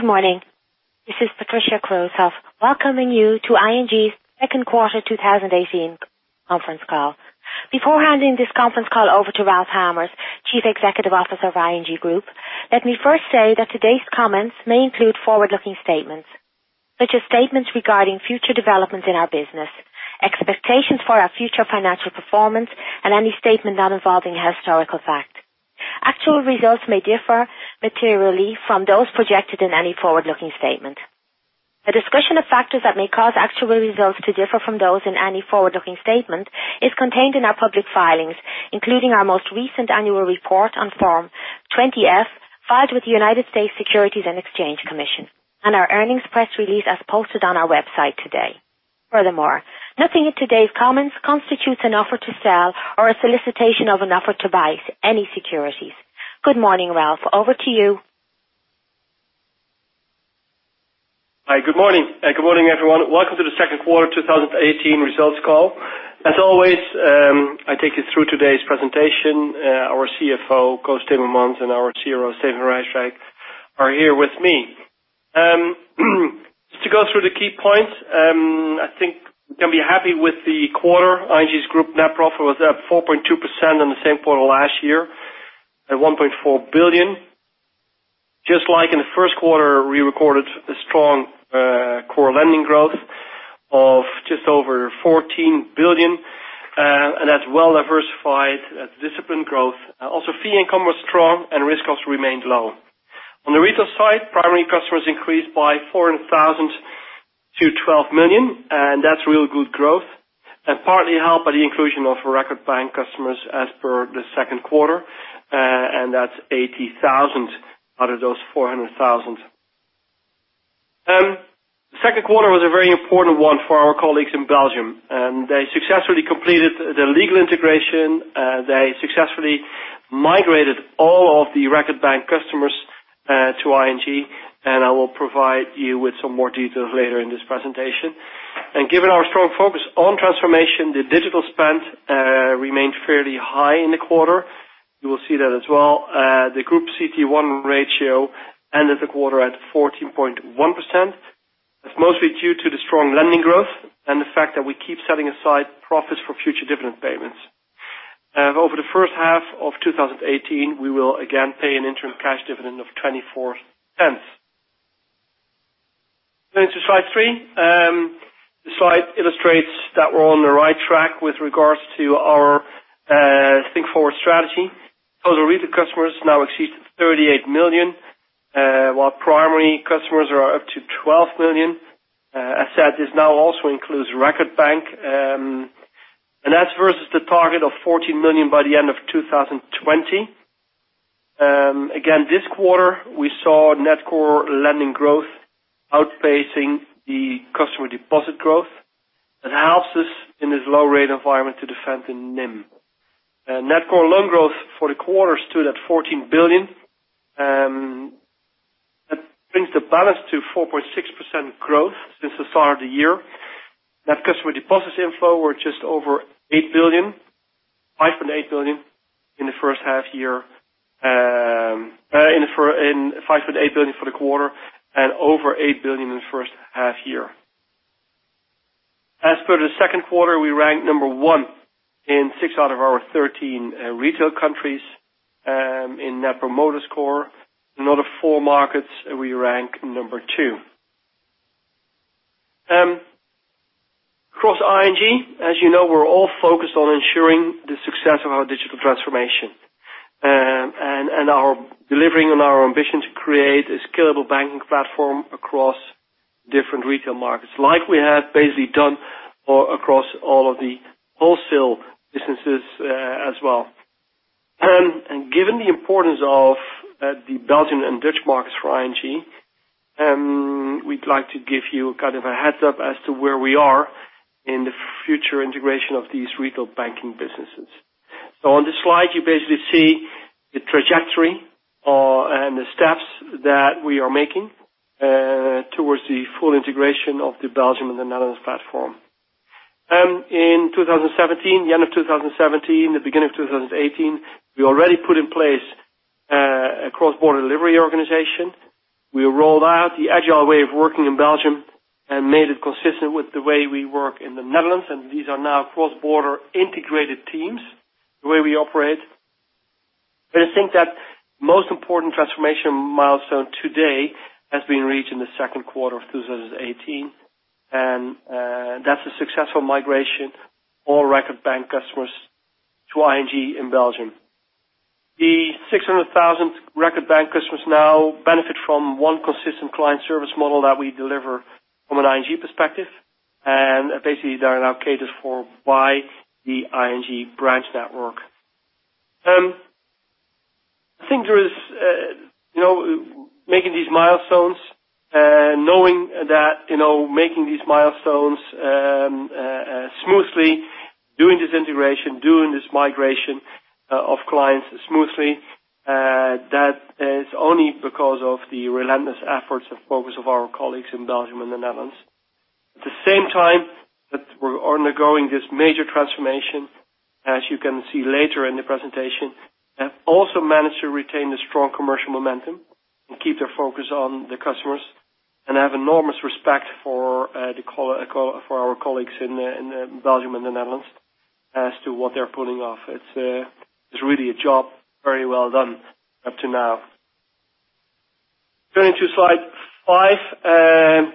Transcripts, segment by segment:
Good morning. This is Patricia Kruithof welcoming you to ING Groep's second quarter 2018 conference call. Before handing this conference call over to Ralph Hamers, Chief Executive Officer of ING Groep, let me first say that today's comments may include forward-looking statements, such as statements regarding future developments in our business, expectations for our future financial performance, and any statement not involving a historical fact. Actual results may differ materially from those projected in any forward-looking statement. A discussion of factors that may cause actual results to differ from those in any forward-looking statement is contained in our public filings, including our most recent annual report on Form 20-F, filed with the United States Securities and Exchange Commission, and our earnings press release as posted on our website today. Furthermore, nothing in today's comments constitutes an offer to sell or a solicitation of an offer to buy any securities. Good morning, Ralph. Over to you. Hi. Good morning, everyone. Welcome to the second quarter 2018 results call. As always, I take you through today's presentation. Our CFO, Koos Timmermans, and our COO, Steven van Rijswijk, are here with me. To go through the key points, I think we can be happy with the quarter. ING Groep's net profit was up 4.2% on the same quarter last year at 1.4 billion. Just like in the first quarter, we recorded a strong core lending growth of just over 14 billion. That's well-diversified, disciplined growth. Also, fee income was strong and risk cost remained low. On the retail side, primary customers increased by 400,000 to 12 million, and that's real good growth, and partly helped by the inclusion of Record Bank customers as per the second quarter. That's 80,000 out of those 400,000. Second quarter was a very important one for our colleagues in Belgium, and they successfully completed the legal integration. They successfully migrated all of the Record Bank customers to ING, and I will provide you with some more details later in this presentation. Given our strong focus on transformation, the digital spend remained fairly high in the quarter. You will see that as well. The group CET1 ratio ended the quarter at 14.1%. That's mostly due to the strong lending growth and the fact that we keep setting aside profits for future dividend payments. Over the first half of 2018, we will again pay an interim cash dividend of 0.24. Going to slide three. The slide illustrates that we're on the right track with regards to our Think Forward strategy. Total retail customers now exceed 38 million, while primary customers are up to 12 million. As said, this now also includes Record Bank, and that's versus the target of 14 million by the end of 2020. Again, this quarter, we saw net core lending growth outpacing the customer deposit growth. That helps us in this low rate environment to defend the NIM. Net core loan growth for the quarter stood at 14 billion. That brings the balance to 4.6% growth since the start of the year. Net customer deposits inflow were 5.8 billion for the quarter and over 8 billion in the first half year. As per the second quarter, we ranked number 1 in six out of our 13 retail countries, in Net Promoter Score. Another four markets, we rank number 2. Across ING, as you know, we're all focused on ensuring the success of our digital transformation, and delivering on our ambition to create a scalable banking platform across different retail markets, like we have basically done across all of the wholesale businesses as well. Given the importance of the Belgian and Dutch markets for ING, we'd like to give you a heads-up as to where we are in the future integration of these retail banking businesses. On this slide, you basically see the trajectory and the steps that we are making towards the full integration of the Belgium and the Netherlands platform. In the end of 2017, the beginning of 2018, we already put in place a cross-border delivery organization. We rolled out the agile way of working in Belgium and made it consistent with the way we work in the Netherlands, and these are now cross-border integrated teams, the way we operate. I think that most important transformation milestone today has been reached in the second quarter of 2018, and that's a successful migration, all Record Bank customers to ING in Belgium. The 600,000 Record Bank customers now benefit from one consistent client service model that we deliver from an ING perspective. Basically, they are now catered for by the ING branch network. Making these milestones smoothly, doing this integration, doing this migration of clients smoothly, that is only because of the relentless efforts and focus of our colleagues in Belgium and the Netherlands. At the same time that we're undergoing this major transformation, as you can see later in the presentation, have also managed to retain the strong commercial momentum and keep their focus on the customers. I have enormous respect for our colleagues in Belgium and the Netherlands as to what they're pulling off. It's really a job very well done up to now. Going to slide five,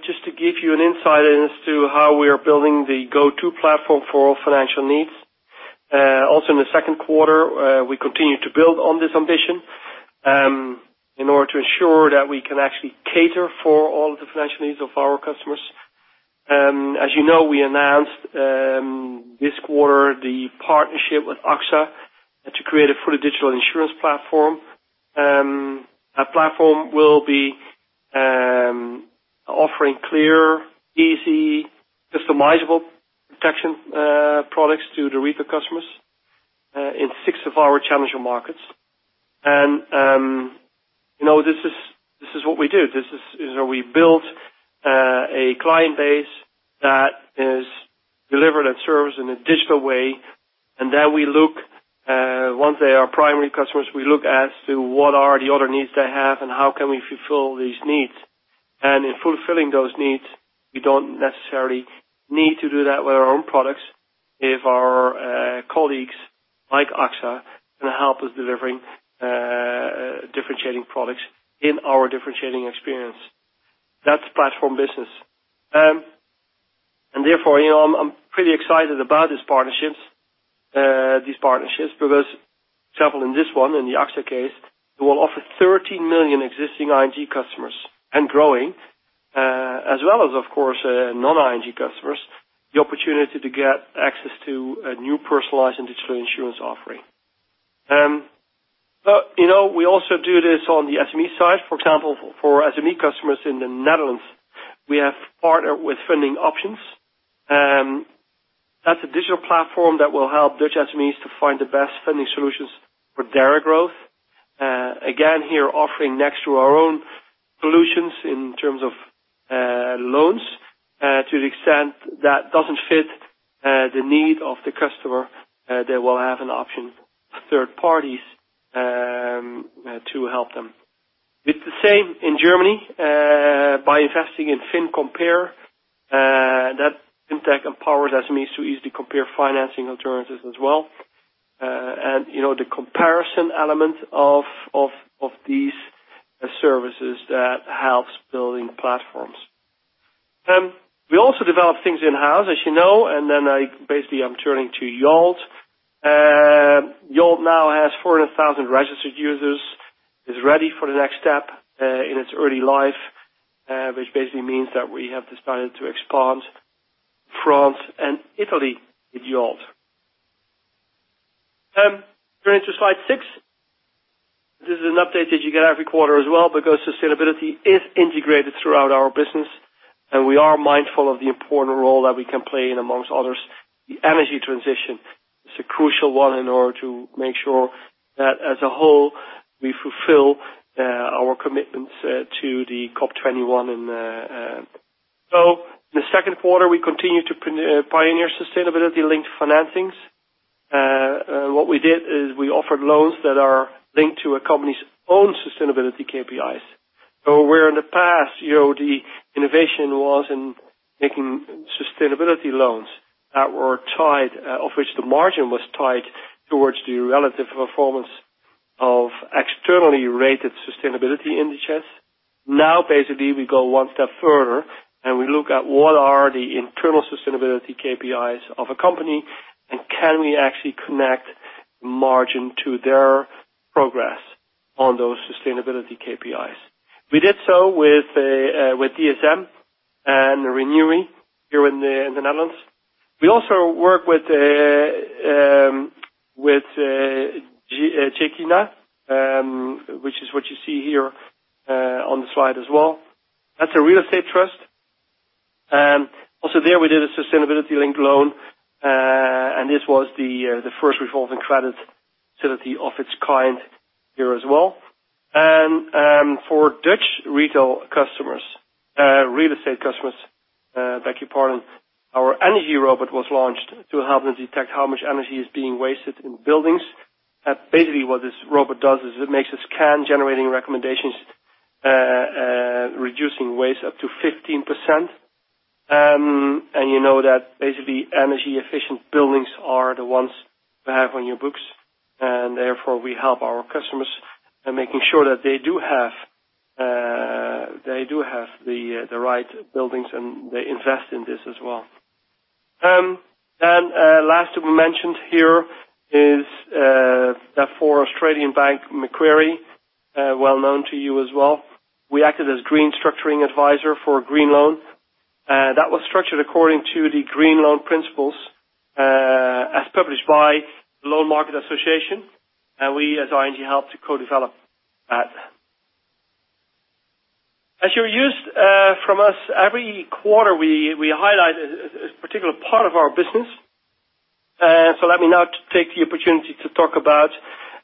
just to give you an insight as to how we are building the go-to platform for all financial needs. Also in the second quarter, we continued to build on this ambition, in order to ensure that we can actually cater for all the financial needs of our customers. As you know, we announced this quarter the partnership with AXA to create a fully digital insurance platform. Our platform will be offering clear, easy, customizable protection products to the retail customers in six of our challenger markets. This is what we do. This is where we build a client base that is delivered and serves in a digital way. Once they are primary customers, we look as to what are the other needs they have and how can we fulfill these needs. In fulfilling those needs, we don't necessarily need to do that with our own products if our colleagues, like AXA, can help us delivering differentiating products in our differentiating experience. That's platform business. Therefore, I'm pretty excited about these partnerships because, for example, in this one, in the AXA case, it will offer 13 million existing ING customers and growing, as well as, of course, non-ING customers, the opportunity to get access to a new personalized and digital insurance offering. We also do this on the SME side. For example, for SME customers in the Netherlands, we have partnered with Funding Options. That's a digital platform that will help Dutch SMEs to find the best funding solutions for their growth. Again, here offering next to our own solutions in terms of loans, to the extent that doesn't fit the need of the customer, they will have an option of third parties to help them. It's the same in Germany, by investing in FinCompare, that fintech empowers SMEs to easily compare financing alternatives as well. The comparison element of these services that helps building platforms. We also develop things in-house, as you know, basically I'm turning to Yolt. Yolt now has 400,000 registered users, is ready for the next step, in its early life, which basically means that we have decided to expand France and Italy with Yolt. Turning to slide six. This is an update that you get every quarter as well, because sustainability is integrated throughout our business, and we are mindful of the important role that we can play in, amongst others, the energy transition. It's a crucial one in order to make sure that, as a whole, we fulfill our commitments to the COP21. In the second quarter, we continued to pioneer sustainability-linked financings. What we did is we offered loans that are linked to a company's own sustainability KPIs. Where in the past, the innovation was in making sustainability loans that were tied, of which the margin was tied towards the relative performance of externally rated sustainability indices. Basically we go one step further, and we look at what are the internal sustainability KPIs of a company, and can we actually connect margin to their progress on those sustainability KPIs. We did so with DSM and Renewi here in the Netherlands. We also work with Gecina, which is what you see here on the slide as well. That's a real estate trust. Also there we did a sustainability-linked loan, and this was the first revolving credit facility of its kind here as well. For Dutch real estate customers, our energy robot was launched to help them detect how much energy is being wasted in buildings. Basically, what this robot does is it makes a scan, generating recommendations, reducing waste up to 15%. You know that basically energy-efficient buildings are the ones to have on your books, therefore we help our customers in making sure that they do have the right buildings, and they invest in this as well. Last we mentioned here is that for Australian bank Macquarie, well known to you as well, we acted as green structuring advisor for a green loan. That was structured according to the green loan principles as published by the Loan Market Association, We as ING helped to co-develop that. As you're used from us, every quarter, we highlight a particular part of our business opportunity to talk about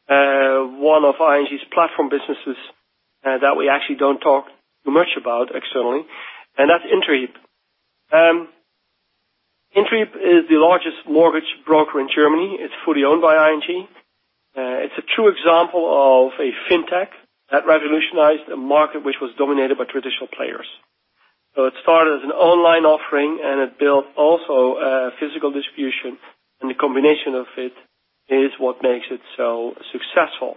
one of ING's platform businesses that we actually don't talk much about externally, and that's Interhyp. Interhyp is the largest mortgage broker in Germany. It's fully owned by ING. It's a true example of a fintech that revolutionized a market which was dominated by traditional players. It started as an online offering, and it built also a physical distribution, and the combination of it is what makes it so successful.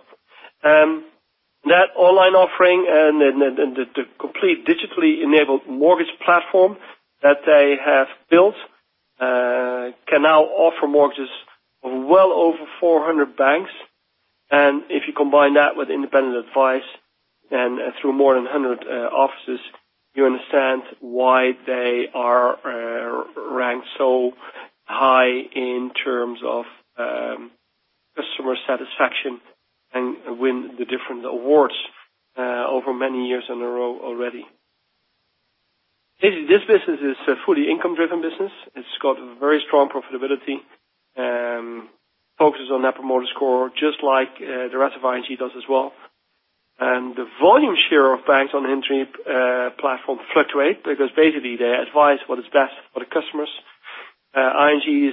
That online offering and the complete digitally enabled mortgage platform that they have built can now offer mortgages of well over 400 banks. If you combine that with independent advice and through more than 100 offices, you understand why they are ranked so high in terms of customer satisfaction and win the different awards over many years in a row already. This business is a fully income-driven business. It's got very strong profitability, focuses on Net Promoter Score, just like the rest of ING does as well. The volume share of banks on the Interhyp platform fluctuates because basically, they advise what is best for the customers. ING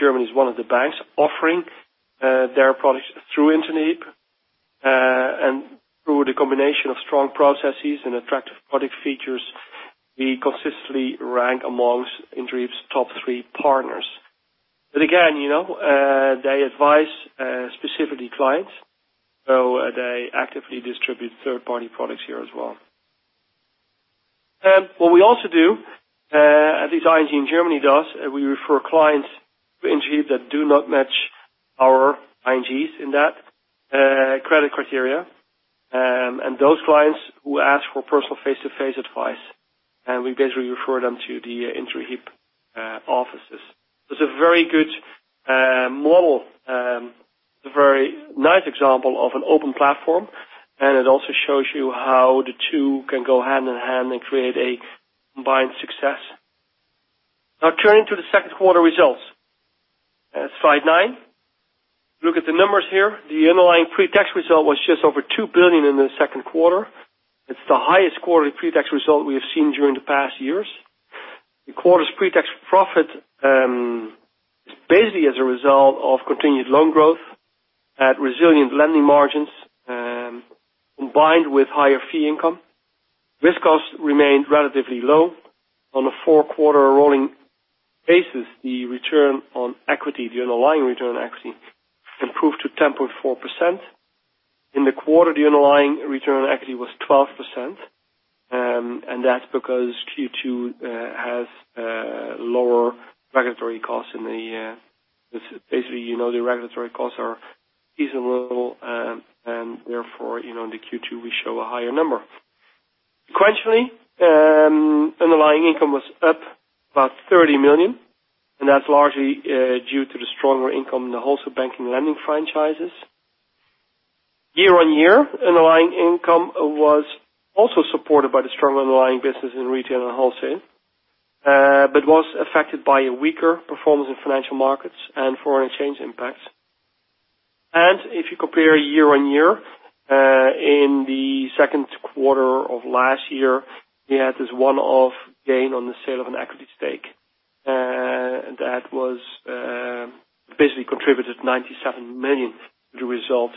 Germany is one of the banks offering their products through Interhyp. Through the combination of strong processes and attractive product features, we consistently rank amongst Interhyp's top three partners. Again, they advise specifically clients, so they actively distribute third-party products here as well. What we also do, at least ING Germany does, we refer clients to ING that do not match our ING's in that credit criteria. Those clients who ask for personal face-to-face advice, we basically refer them to the Interhyp offices. It's a very good model, it's a very nice example of an open platform, and it also shows you how the two can go hand-in-hand and create a combined success. Now turning to the second quarter results. Slide nine. Look at the numbers here. The underlying pre-tax result was just over 2 billion in the second quarter. It's the highest quarterly pre-tax result we have seen during the past years. The quarter's pre-tax profit is basically as a result of continued loan growth at resilient lending margins, combined with higher fee income. Risk cost remained relatively low. On a four-quarter rolling basis, the return on equity, the underlying return on equity, improved to 10.4%. In the quarter, the underlying return on equity was 12%, and that's because Q2 has lower regulatory costs. Basically, the regulatory costs are reasonable, and therefore, in the Q2, we show a higher number. Sequentially, underlying income was up about 30 million, and that's largely due to the stronger income in the Wholesale Banking lending franchises. Year-on-year, underlying income was also supported by the strong underlying business in Retail and Wholesale, but was affected by a weaker performance in financial markets and foreign exchange impacts. If you compare year-on-year, in the second quarter of last year, we had this one-off gain on the sale of an equity stake. That basically contributed 97 million to the result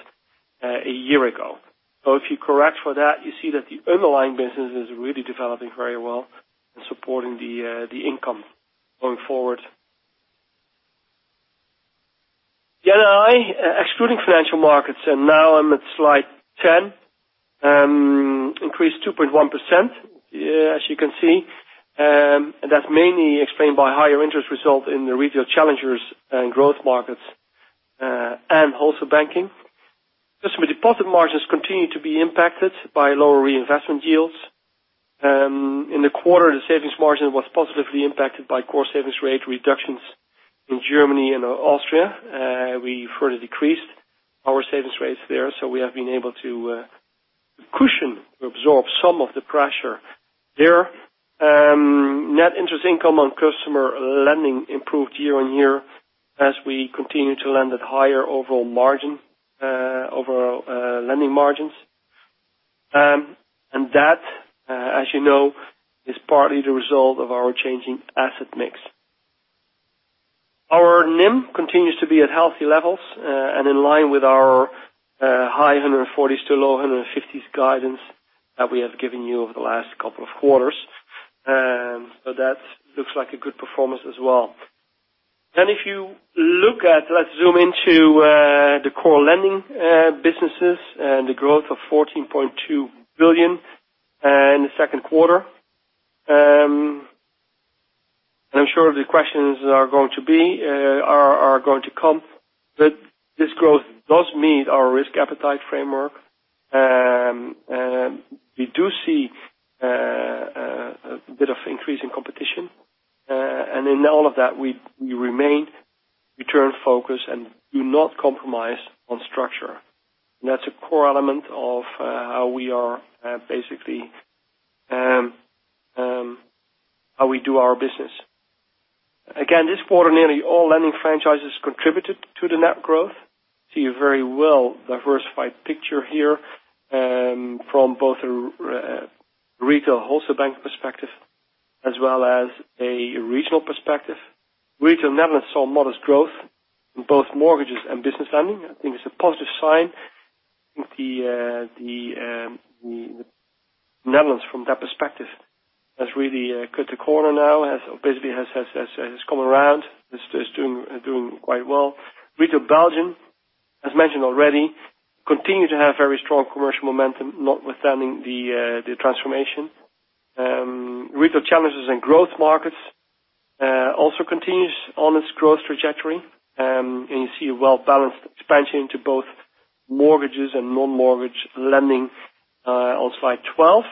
a year ago. If you correct for that, you see that the underlying business is really developing very well and supporting the income going forward. The NII, excluding financial markets, and now I'm at slide 10, increased 2.1%, as you can see. That's mainly explained by higher interest result in the Retail Challengers and Growth Markets and Wholesale Banking. Customer deposit margins continue to be impacted by lower reinvestment yields. In the quarter, the savings margin was positively impacted by core savings rate reductions in Germany and Austria. We further decreased our savings rates there, we have been able to cushion, absorb some of the pressure there. Net interest income on customer lending improved year-on-year, as we continue to lend at higher overall lending margins. That, as you know, is partly the result of our changing asset mix. Our NIM continues to be at healthy levels and in line with our high 140s to low 150s guidance that we have given you over the last couple of quarters. That looks like a good performance as well. If you look at, let's zoom into the core lending businesses and the growth of 14.2 billion in the second quarter. I'm sure the questions are going to come, but this growth does meet our risk appetite framework. We do see a bit of increase in competition. In all of that, we remain return focused and do not compromise on structure. That's a core element of how we are basically how we do our business. Again, this quarter, nearly all lending franchises contributed to the net growth. You see a very well-diversified picture here from both a retail wholesale bank perspective, as well as a regional perspective. Retail Netherlands saw modest growth in both mortgages and business lending. I think it's a positive sign. I think the Netherlands, from that perspective, has really cut the corner now, basically has come around, is doing quite well. Retail Belgium, as mentioned already, continue to have very strong commercial momentum, notwithstanding the transformation. Retail challenges in growth markets also continues on its growth trajectory. You see a well-balanced expansion into both mortgages and non-mortgage lending on slide 12.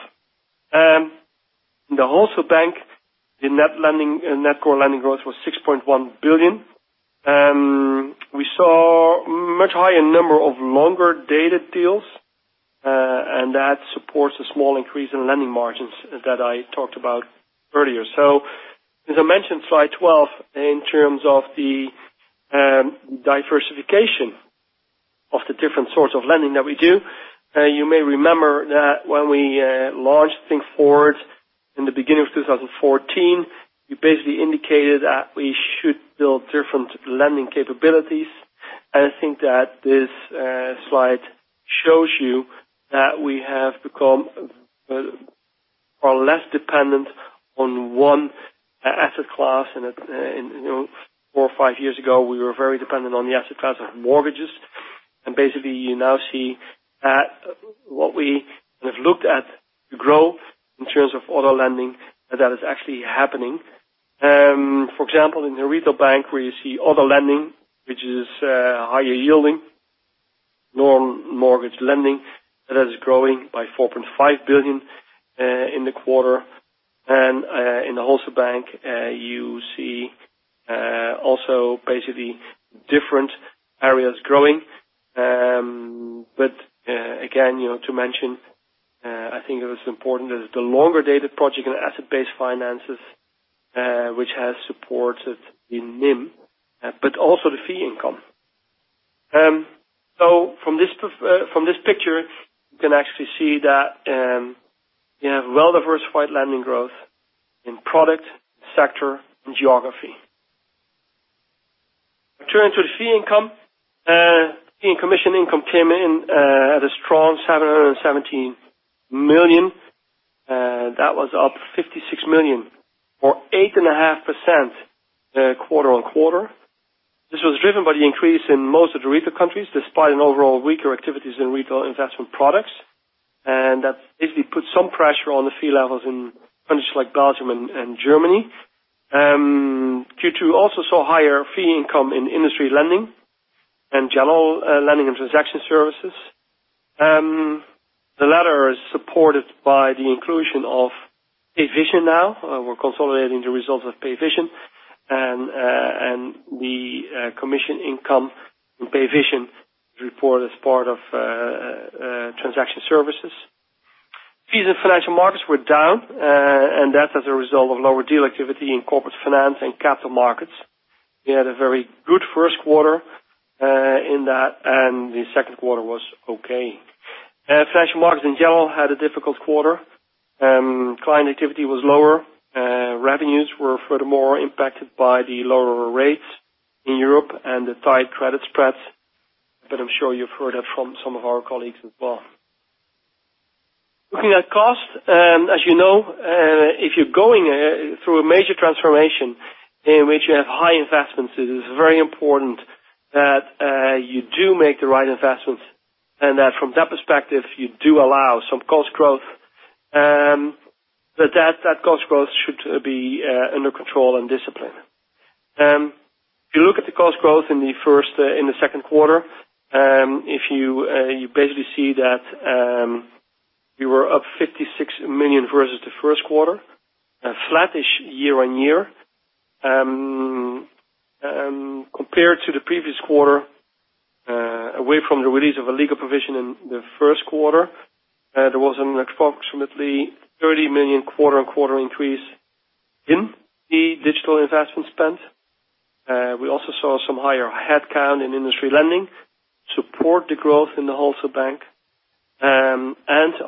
In the wholesale bank, the net core lending growth was 6.1 billion. We saw much higher number of longer-dated deals, that supports a small increase in lending margins that I talked about earlier. As I mentioned, slide 12, in terms of the diversification of the different sorts of lending that we do, you may remember that when we launched Think Forward in the beginning of 2014, we basically indicated that we should build different lending capabilities. I think that this slide shows you that we have become far less dependent on one asset class. Four or five years ago, we were very dependent on the asset class of mortgages. Basically, you now see that what we have looked at the growth in terms of other lending, that is actually happening. For example, in the retail bank, where you see other lending, which is higher yielding, non-mortgage lending, that is growing by 4.5 billion in the quarter. In the wholesale bank, you see also basically different areas growing. Again, to mention, I think it was important that the longer-dated project and asset-based finances, which has supported the NIM, but also the fee income. From this picture, you can actually see that we have well-diversified lending growth in product, sector, and geography. Turning to the fee income. Fee and commission income came in at a strong 717 million. That was up 56 million or 8.5% quarter-on-quarter. This was driven by the increase in most of the retail countries, despite an overall weaker activities in retail investment products. That basically put some pressure on the fee levels in countries like Belgium and Germany. Q2 also saw higher fee income in industry lending and general lending and transaction services. The latter is supported by the inclusion of Payvision now. We're consolidating the results of Payvision, the commission income from Payvision is reported as part of transaction services. Fees in financial markets were down, that's as a result of lower deal activity in corporate finance and capital markets. We had a very good first quarter in that, the second quarter was okay. Financial markets, in general, had a difficult quarter. Client activity was lower. Revenues were furthermore impacted by the lower rates in Europe and the tight credit spreads, I'm sure you've heard that from some of our colleagues as well. Looking at cost, as you know, if you're going through a major transformation in which you have high investments, it is very important that you do make the right investments, that from that perspective, you do allow some cost growth, that cost growth should be under control and discipline. If you look at the cost growth in the second quarter, you basically see that we were up 56 million versus the first quarter, flattish year-on-year. Compared to the previous quarter, away from the release of a legal provision in the first quarter, there was an approximately 30 million quarter-on-quarter increase in the digital investment spend. We also saw some higher headcount in industry lending support the growth in the wholesale bank.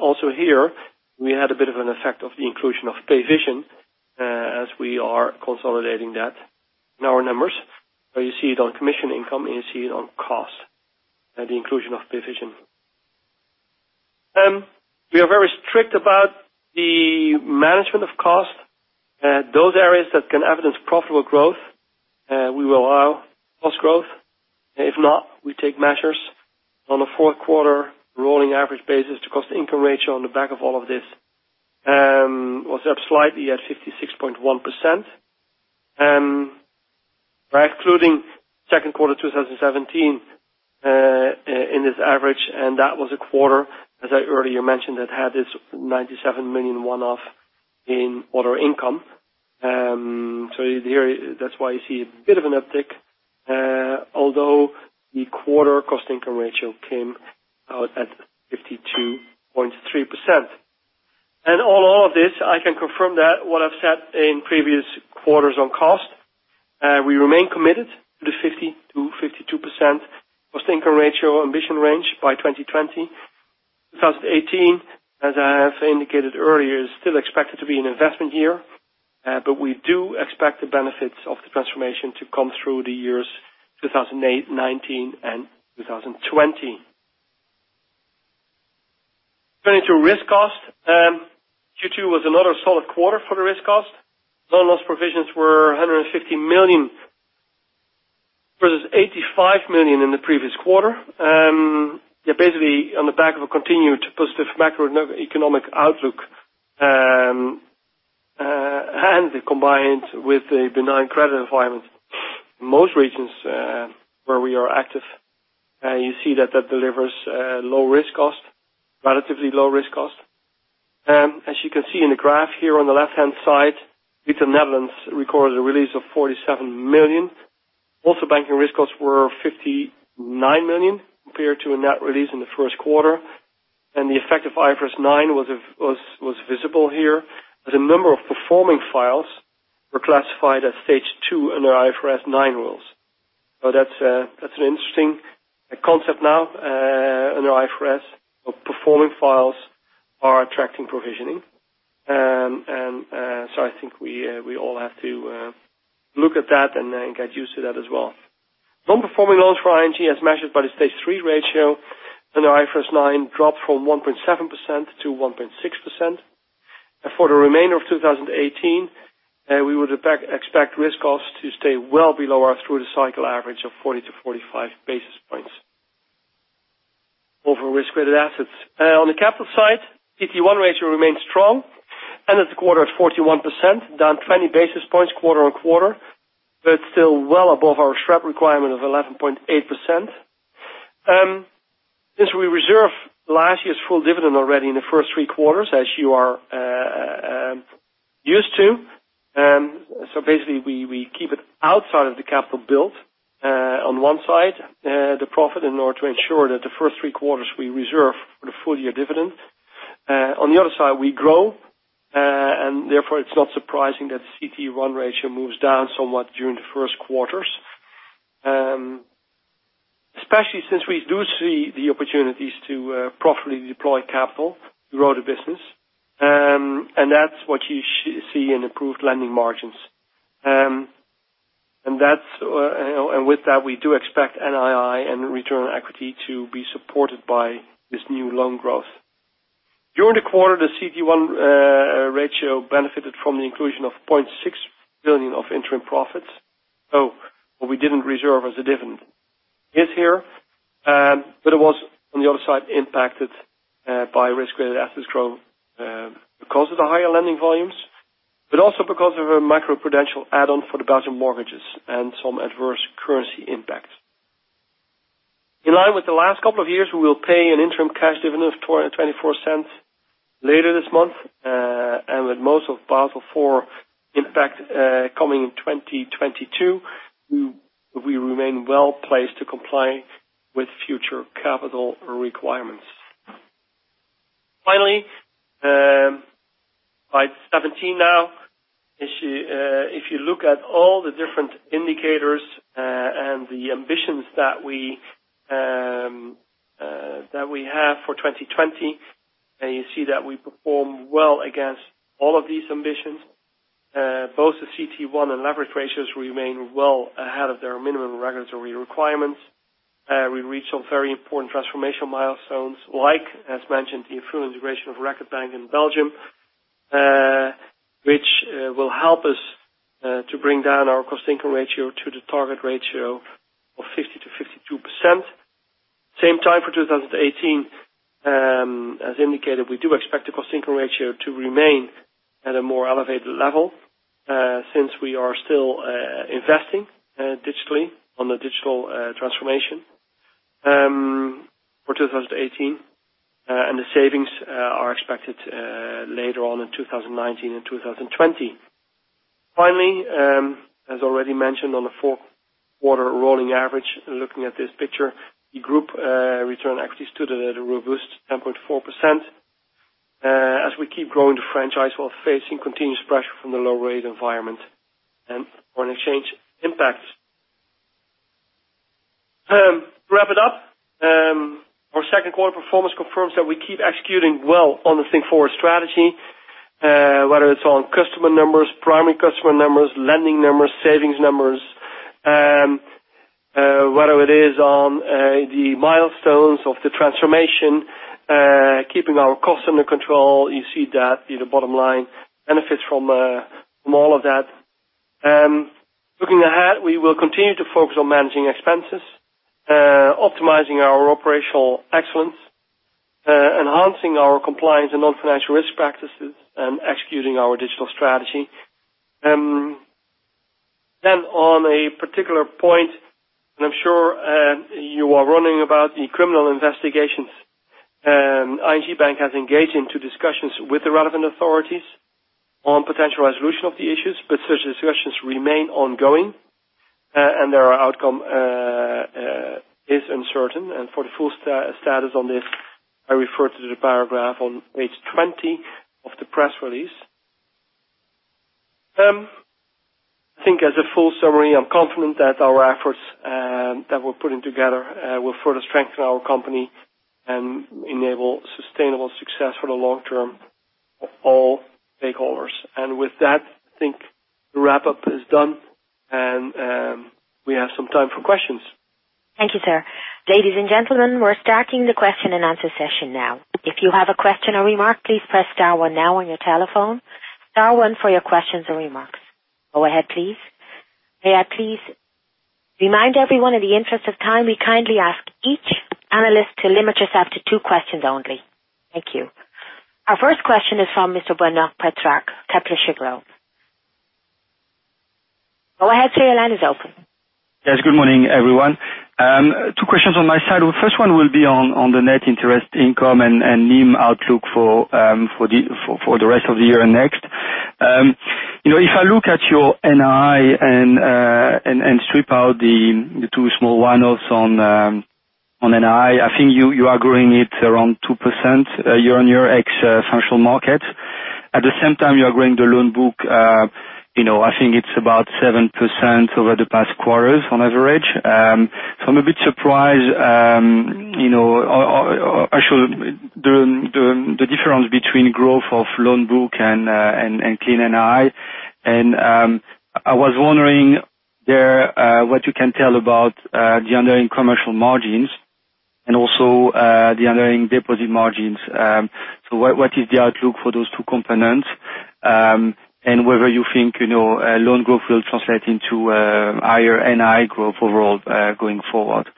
Also here, we had a bit of an effect of the inclusion of Payvision, as we are consolidating that in our numbers, where you see it on commission income, you see it on cost, the inclusion of Payvision. We are very strict about the management of cost. Those areas that can evidence profitable growth, we will allow cost growth. If not, we take measures on a four-quarter rolling average basis to cost income ratio on the back of all of this, was up slightly at 56.1%. By including second quarter 2017 in this average, that was a quarter, as I earlier mentioned, that had this 97 million one-off in other income. That's why you see a bit of an uptick, although the quarter cost-income ratio came out at 52.3%. On all of this, I can confirm that what I've said in previous quarters on cost, we remain committed to the 50%-52% cost-income ratio ambition range by 2020. 2018, as I have indicated earlier, is still expected to be an investment year, we do expect the benefits of the transformation to come through the years 2019 and 2020. Turning to risk cost. Q2 was another solid quarter for the risk cost. Loan loss provisions were 150 million versus 85 million in the previous quarter. Basically, on the back of a continued positive macroeconomic outlook, and combined with the benign credit environment, most regions where we are active, you see that that delivers a low risk cost, relatively low risk cost. As you can see in the graph here on the left-hand side, retail Netherlands recorded a release of 47 million. Also, banking risk costs were 59 million compared to a net release in the first quarter, and the effect of IFRS 9 was visible here, as a number of performing files were classified as Stage 2 under IFRS 9 rules. That's an interesting concept now under IFRS, of performing files are attracting provisioning. I think we all have to look at that and then get used to that as well. Non-performing loans for ING as measured by the Stage 3 ratio under IFRS 9 dropped from 1.7% to 1.6%. For the remainder of 2018, we would expect risk costs to stay well below our through-the-cycle average of 40 to 45 basis points over risk-weighted assets. On the capital side, CET1 ratio remains strong. End of the quarter at 14.1%, down 20 basis points quarter on quarter, but still well above our SREP requirement of 11.8%. Since we reserved last year's full dividend already in the first three quarters, as you are used to, so basically we keep it outside of the capital build. On one side, the profit, in order to ensure that the first three quarters we reserve for the full-year dividend. On the other side, we grow, and therefore it's not surprising that the CET1 ratio moves down somewhat during the first quarters, especially since we do see the opportunities to properly deploy capital throughout the business, and that's what you see in improved lending margins. With that, we do expect NII and return on equity to be supported by this new loan growth. During the quarter, the CET1 ratio benefited from the inclusion of 0.6 billion of interim profits. What we didn't reserve as a dividend is here, but it was on the other side impacted by risk-weighted assets growth because of the higher lending volumes, but also because of a macro-prudential add-on for the Belgian mortgages and some adverse currency impacts. In line with the last couple of years, we will pay an interim cash dividend of 0.24 later this month. With most of Basel IV impact coming in 2022, we remain well-placed to comply with future capital requirements. Finally, slide 17 now. If you look at all the different indicators and the ambitions that we have for 2020, you see that we perform well against all of these ambitions. Both the CET1 and leverage ratios remain well ahead of their minimum regulatory requirements. We reached some very important transformation milestones, like, as mentioned, the full integration of Record Bank in Belgium, which will help us to bring down our cost-income ratio to the target ratio of 50% to 52%. Same time for 2018, as indicated, we do expect the cost-income ratio to remain at a more elevated level, since we are still investing digitally on the digital transformation for 2018, and the savings are expected later on in 2019 and 2020. Finally, as already mentioned on the four quarter rolling average, looking at this picture, the group return actually stood at a robust 10.4%, as we keep growing the franchise while facing continuous pressure from the low rate environment and foreign exchange impacts. To wrap it up, our second quarter performance confirms that we keep executing well on the Think Forward strategy, whether it's on customer numbers, primary customer numbers, lending numbers, savings numbers, whether it is on the milestones of the transformation, keeping our costs under control. You see that the bottom line benefits from all of that. Looking ahead, we will continue to focus on managing expenses, optimizing our operational excellence, enhancing our compliance and non-financial risk practices, and executing our digital strategy. On a particular point, you are wondering about the criminal investigations. ING Bank has engaged into discussions with the relevant authorities on potential resolution of the issues, such discussions remain ongoing, and their outcome is uncertain. For the full status on this, I refer to the paragraph on page 20 of the press release. I think as a full summary, I'm confident that our efforts that we're putting together will further strengthen our company and enable sustainable success for the long term of all stakeholders. With that, I think the wrap-up is done, and we have some time for questions. Thank you, sir. Ladies and gentlemen, we're starting the question and answer session now. If you have a question or remark, please press star one now on your telephone. Star one for your questions or remarks. Go ahead, please. May I please remind everyone in the interest of time, we kindly ask each analyst to limit yourself to two questions only. Thank you. Our first question is from Mr. Benoit Petrarque, Kepler Cheuvreux. Go ahead, sir. Your line is open. Yes. Good morning, everyone. Two questions on my side. The first one will be on the net interest income and NIM outlook for the rest of the year and next. If I look at your NI and strip out the two small one-offs on NI, I think you are growing it around 2% year-on-year ex functional markets. At the same time, you are growing the loan book, I think it's about 7% over the past quarters on average. I'm a bit surprised, actually, the difference between growth of loan book and clean NI. I was wondering there, what you can tell about the underlying commercial margins and also the underlying deposit margins. What is the outlook for those two components, and whether you think loan growth will translate into higher NI growth overall going forward?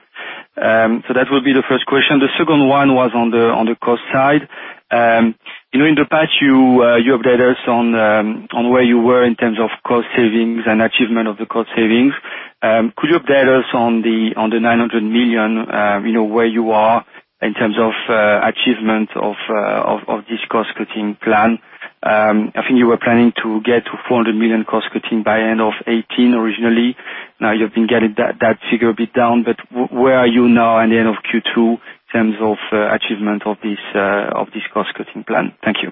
That would be the first question. The second one was on the cost side. In the past, you updated us on where you were in terms of cost savings and achievement of the cost savings. Could you update us on the 900 million, where you are in terms of achievement of this cost-cutting plan? I think you were planning to get to 400 million cost cutting by end of 2018 originally. Now you've been getting that figure a bit down, but where are you now at the end of Q2 in terms of achievement of this cost-cutting plan? Thank you.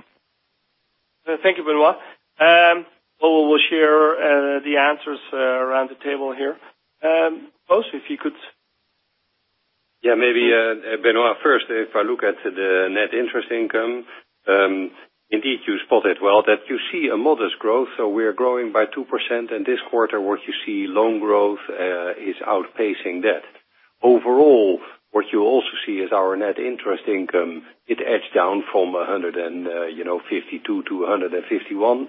Thank you, Benoit. Koos will share the answers around the table here. Koos, if you could. Maybe, Benoit, first, if I look at the net interest income, indeed you spotted well that you see a modest growth. We are growing by 2%, and this quarter what you see loan growth is outpacing debt. Overall, what you also see is our net interest income, it edged down from 152 to 151.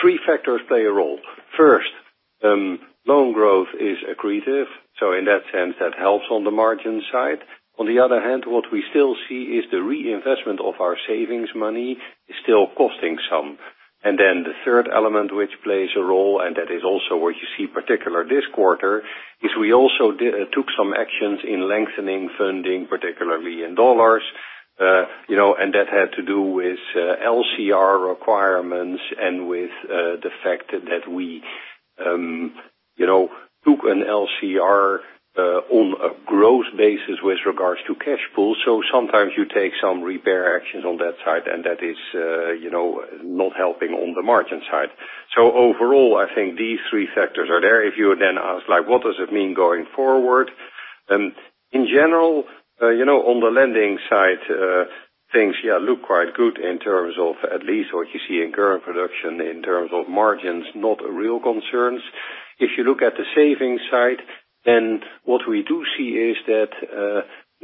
Three factors play a role. First, loan growth is accretive, so in that sense, that helps on the margin side. On the other hand, what we still see is the reinvestment of our savings money is still costing some. The third element, which plays a role, and that is also what you see particular this quarter, is we also took some actions in lengthening funding, particularly in USD, and that had to do with LCR requirements and with the fact that we took an LCR on a gross basis with regards to cash pool. Sometimes you take some repair actions on that side, and that is not helping on the margin side. Overall, I think these three factors are there. If you ask, what does it mean going forward? In general, on the lending side, things look quite good in terms of at least what you see in current production, in terms of margins, not real concerns. If you look at the savings side, what we do see is that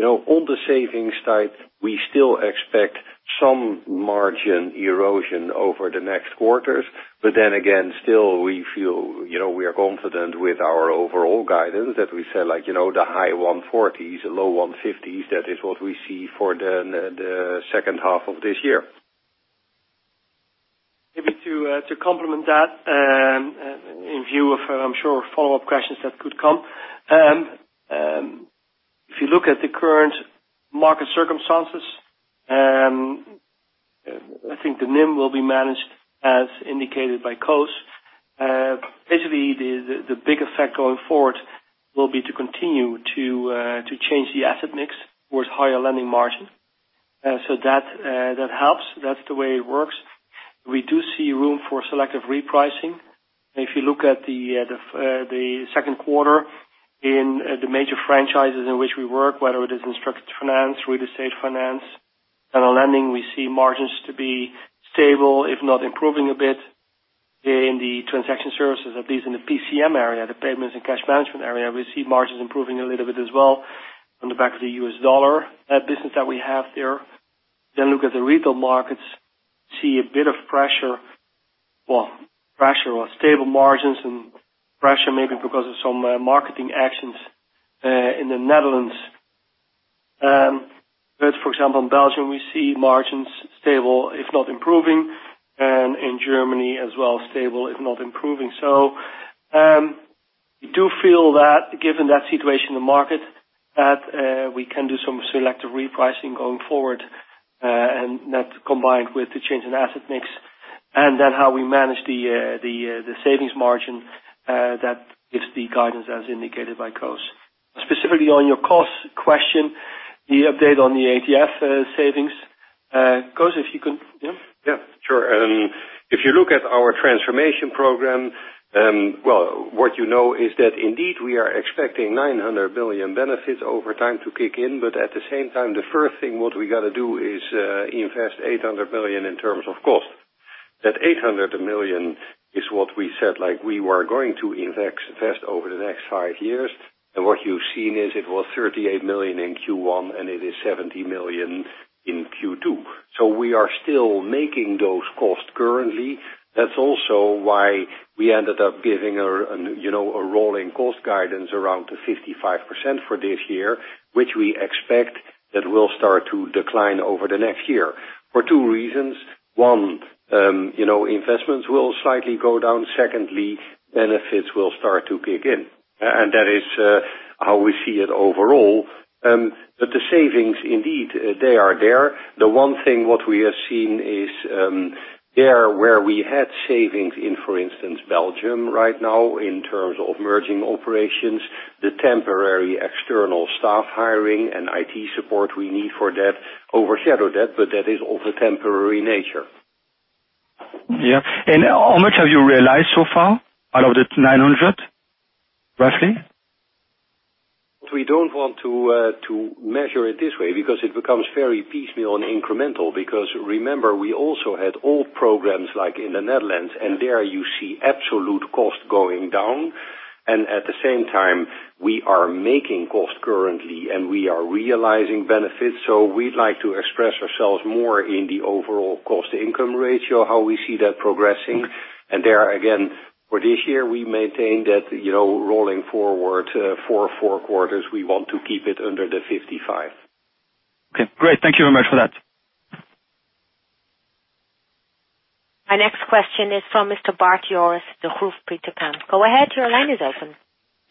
on the savings side, we still expect some margin erosion over the next quarters, again, still we feel we are confident with our overall guidance that we say the high 140s, low 150s, that is what we see for the second half of this year. Maybe to complement that, in view of, I'm sure, follow-up questions that could come. If you look at the current market circumstances, I think the NIM will be managed as indicated by Koos. Basically, the big effect going forward will be to continue to change the asset mix towards higher lending margin. That helps. That's the way it works. We do see room for selective repricing. If you look at the second quarter in the major franchises in which we work, whether it is structured finance, real estate finance, and on lending, we see margins to be stable, if not improving a bit. In the transaction services, at least in the PCM area, the payments and cash management area, we see margins improving a little bit as well on the back of the US dollar business that we have there. Look at the retail markets, see a bit of pressure. Well, pressure or stable margins and pressure maybe because of some marketing actions in the Netherlands. For example, in Belgium, we see margins stable, if not improving, and in Germany as well, stable, if not improving. We do feel that given that situation in the market, that we can do some selective repricing going forward, and that combined with the change in asset mix and how we manage the savings margin, that gives the guidance as indicated by Koos. Specifically on your cost question, the update on the ATF savings. Koos, if you could Yeah? Yeah, sure. If you look at our transformation program, what you know is that indeed we are expecting 900 million benefits over time to kick in. At the same time, the first thing what we got to do is invest 800 million in terms of cost. That 800 million is what we said we were going to invest over the next five years, and what you've seen is it was 38 million in Q1, and it is 70 million in Q2. We are still making those costs currently. That's also why we ended up giving a rolling cost guidance around the 55% for this year, which we expect that will start to decline over the next year for two reasons. One, investments will slightly go down. Secondly, benefits will start to kick in. That is how we see it overall. The savings, indeed, they are there. The one thing what we are seeing is, there where we had savings in, for instance, Belgium right now in terms of merging operations, the temporary external staff hiring and IT support we need for that overshadowed that, but that is of a temporary nature. Yeah. How much have you realized so far out of that 900, roughly? We don't want to measure it this way because it becomes very piecemeal and incremental because remember, we also had old programs like in the Netherlands, and there you see absolute cost going down, and at the same time, we are making cost currently, and we are realizing benefits. We'd like to express ourselves more in the overall cost-to-income ratio, how we see that progressing. There, again, for this year, we maintain that rolling forward four quarters, we want to keep it under the 55%. Okay, great. Thank you very much for that. Our next question is from Mr. Bart Joris, Degroof Petercam. Go ahead, your line is open.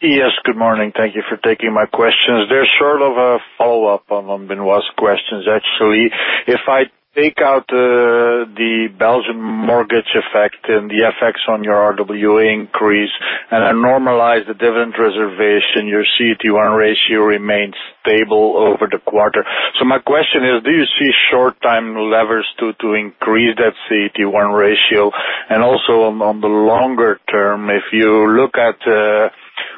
Yes, good morning. Thank you for taking my questions. They're sort of a follow-up on Benoit's questions, actually. If I take out the Belgium mortgage effect and the effects on your RWA increase and normalize the dividend reservation, your CET1 ratio remains stable over the quarter. My question is, do you see short-term levers to increase that CET1 ratio? Also on the longer term, if you look at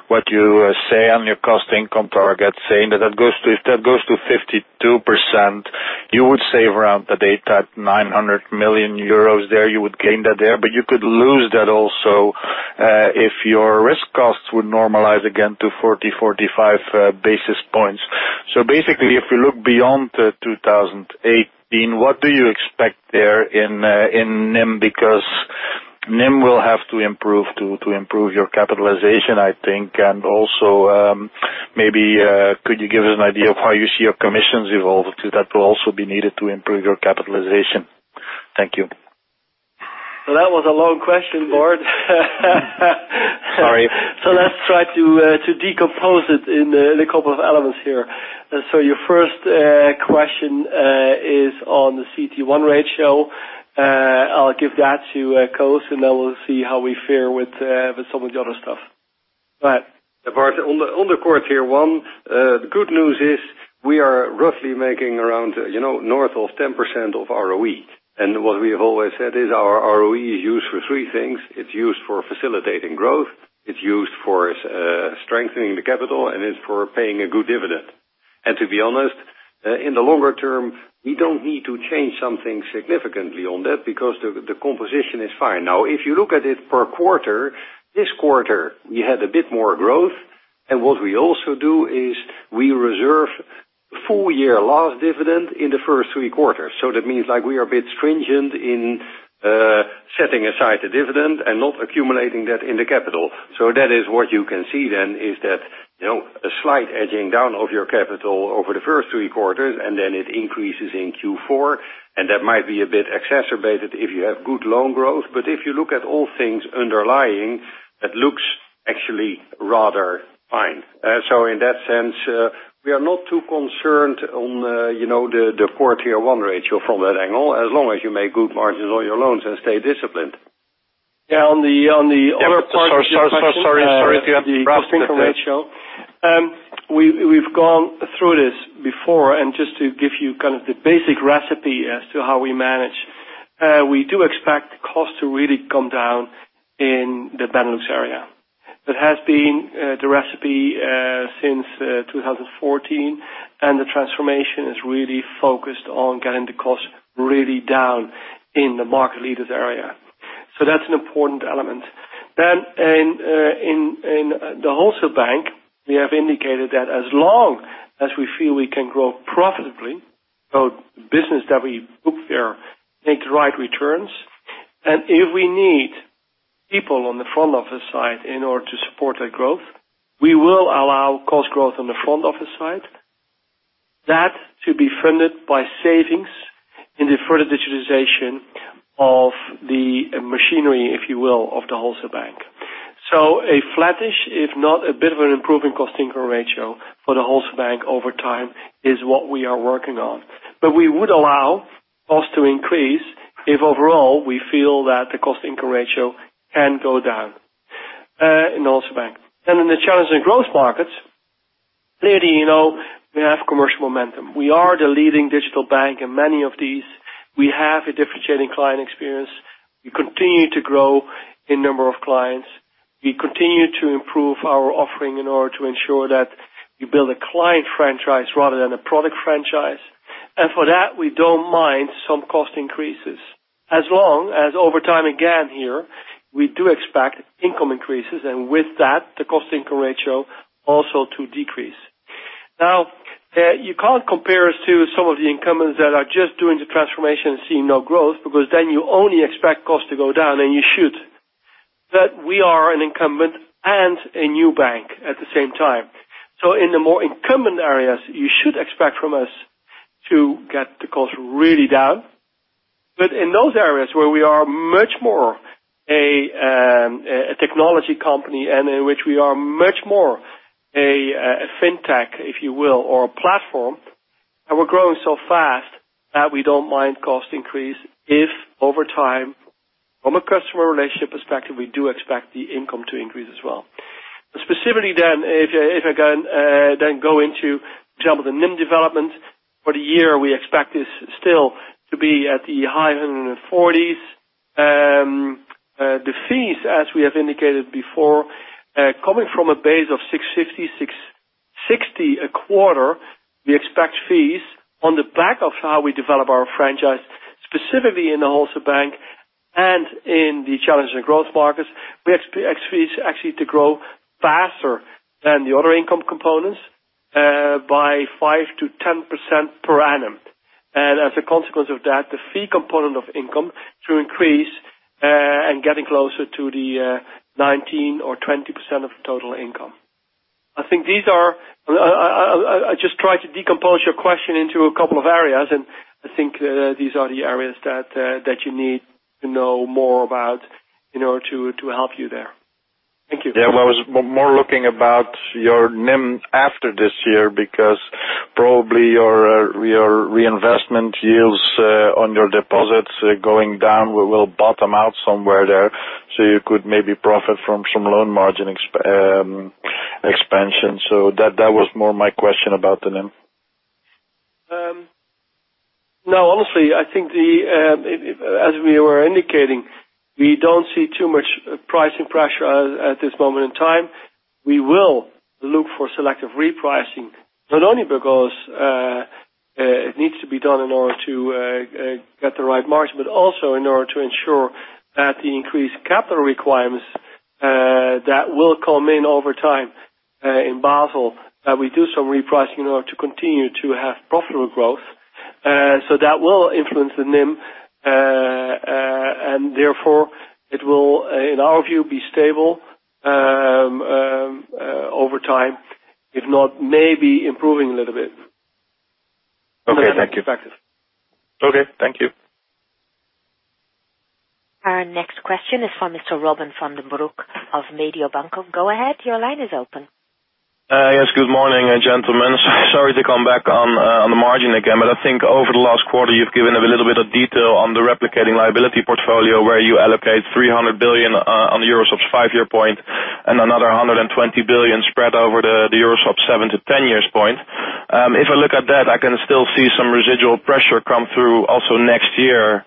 what you say on your cost income target, saying that if that goes to 52%, you would save around 900 million euros there. You would gain that there. You could lose that also, if your risk costs would normalize again to 40, 45 basis points. Basically, if we look beyond 2018, what do you expect there in NIM? Because NIM will have to improve to improve your capitalization, I think. Also, maybe could you give us an idea of how you see your commissions evolve too? That will also be needed to improve your capitalization. Thank you. Well, that was a long question, Bart. Sorry. Let's try to decompose it in a couple of elements here. Your first question is on the CET1 ratio. I'll give that to Koos, and then we'll see how we fare with some of the other stuff. Bart, on the core Tier 1, the good news is we are roughly making around north of 10% of ROE. What we've always said is our ROE is used for three things. It's used for facilitating growth, it's used for strengthening the capital, and it's for paying a good dividend. To be honest, in the longer term, we don't need to change something significantly on that because the composition is fine. If you look at it per quarter, this quarter we had a bit more growth. What we also do is we reserve full year last dividend in the first three quarters. That means we are a bit stringent in setting aside the dividend and not accumulating that in the capital. That is what you can see then is that, a slight edging down of your capital over the first three quarters, and then it increases in Q4, and that might be a bit exacerbated if you have good loan growth. If you look at all things underlying, that looks actually rather fine. In that sense, we are not too concerned on the core Tier 1 ratio from that angle, as long as you make good margins on your loans and stay disciplined. Yeah, on the other part of your question. Sorry. If you have wrapped the cost income ratio. We've gone through this before, and just to give you kind of the basic recipe as to how we manage. We do expect costs to really come down in the Benelux area. That has been the recipe since 2014, and the transformation is really focused on getting the cost really down in the market leaders area. That's an important element. In the Wholesale Bank, we have indicated that as long as we feel we can grow profitably, so business that we make the right returns. If we need people on the front office side in order to support that growth, we will allow cost growth on the front office side. That to be funded by savings in the further digitization of the machinery, if you will, of the Wholesale Bank. A flattish, if not a bit of an improving cost income ratio for the Wholesale Bank over time is what we are working on. We would allow costs to increase if overall we feel that the cost income ratio can go down in the Wholesale Bank. In the challenging growth markets, clearly, we have commercial momentum. We are the leading digital bank in many of these. We have a differentiating client experience. We continue to grow in number of clients. We continue to improve our offering in order to ensure that we build a client franchise rather than a product franchise. For that, we don't mind some cost increases as long as over time, again here, we do expect income increases, and with that, the cost income ratio also to decrease. You can't compare us to some of the incumbents that are just doing the transformation and seeing no growth, because then you only expect costs to go down, and you should. We are an incumbent and a new bank at the same time. In the more incumbent areas, you should expect from us to get the costs really down. In those areas where we are much more a technology company and in which we are much more a fintech, if you will, or a platform, and we're growing so fast that we don't mind cost increase if over time from a customer relationship perspective, we do expect the income to increase as well. Specifically then, if I then go into, for example, the NIM development for the year, we expect this still to be at the high 140s. The fees, as we have indicated before, coming from a base of 650, 660 a quarter, we expect fees on the back of how we develop our franchise, specifically in the Wholesale Bank and in the challenging growth markets. We expect fees actually to grow faster than the other income components, by 5%-10% per annum. As a consequence of that, the fee component of income to increase, and getting closer to the 19% or 20% of the total income. I just tried to decompose your question into a couple of areas, and I think these are the areas that you need to know more about in order to help you there. Thank you. Well, I was more looking about your NIM after this year, because probably your reinvestment yields on your deposits going down will bottom out somewhere there, you could maybe profit from some loan margin expansion. That was more my question about the NIM. No, honestly, I think as we were indicating, we don't see too much pricing pressure at this moment in time. We will look for selective repricing, not only because it needs to be done in order to get the right margin, but also in order to ensure that the increased capital requirements, that will come in over time in Basel, that we do some repricing in order to continue to have profitable growth. That will influence the NIM, and therefore it will, in our view, be stable over time, if not, maybe improving a little bit. Okay. Thank you. Okay. Thank you. Our next question is from Mr. Robin van den Broek of Mediobanca. Go ahead, your line is open. Yes. Good morning, gentlemen. Sorry to come back on the margin again, I think over the last quarter, you've given a little bit of detail on the replicating liability portfolio, where you allocate 300 billion on the Euroswaps 5-year point and another 120 billion spread over the Euroswaps 7-10 years point. If I look at that, I can still see some residual pressure come through also next year,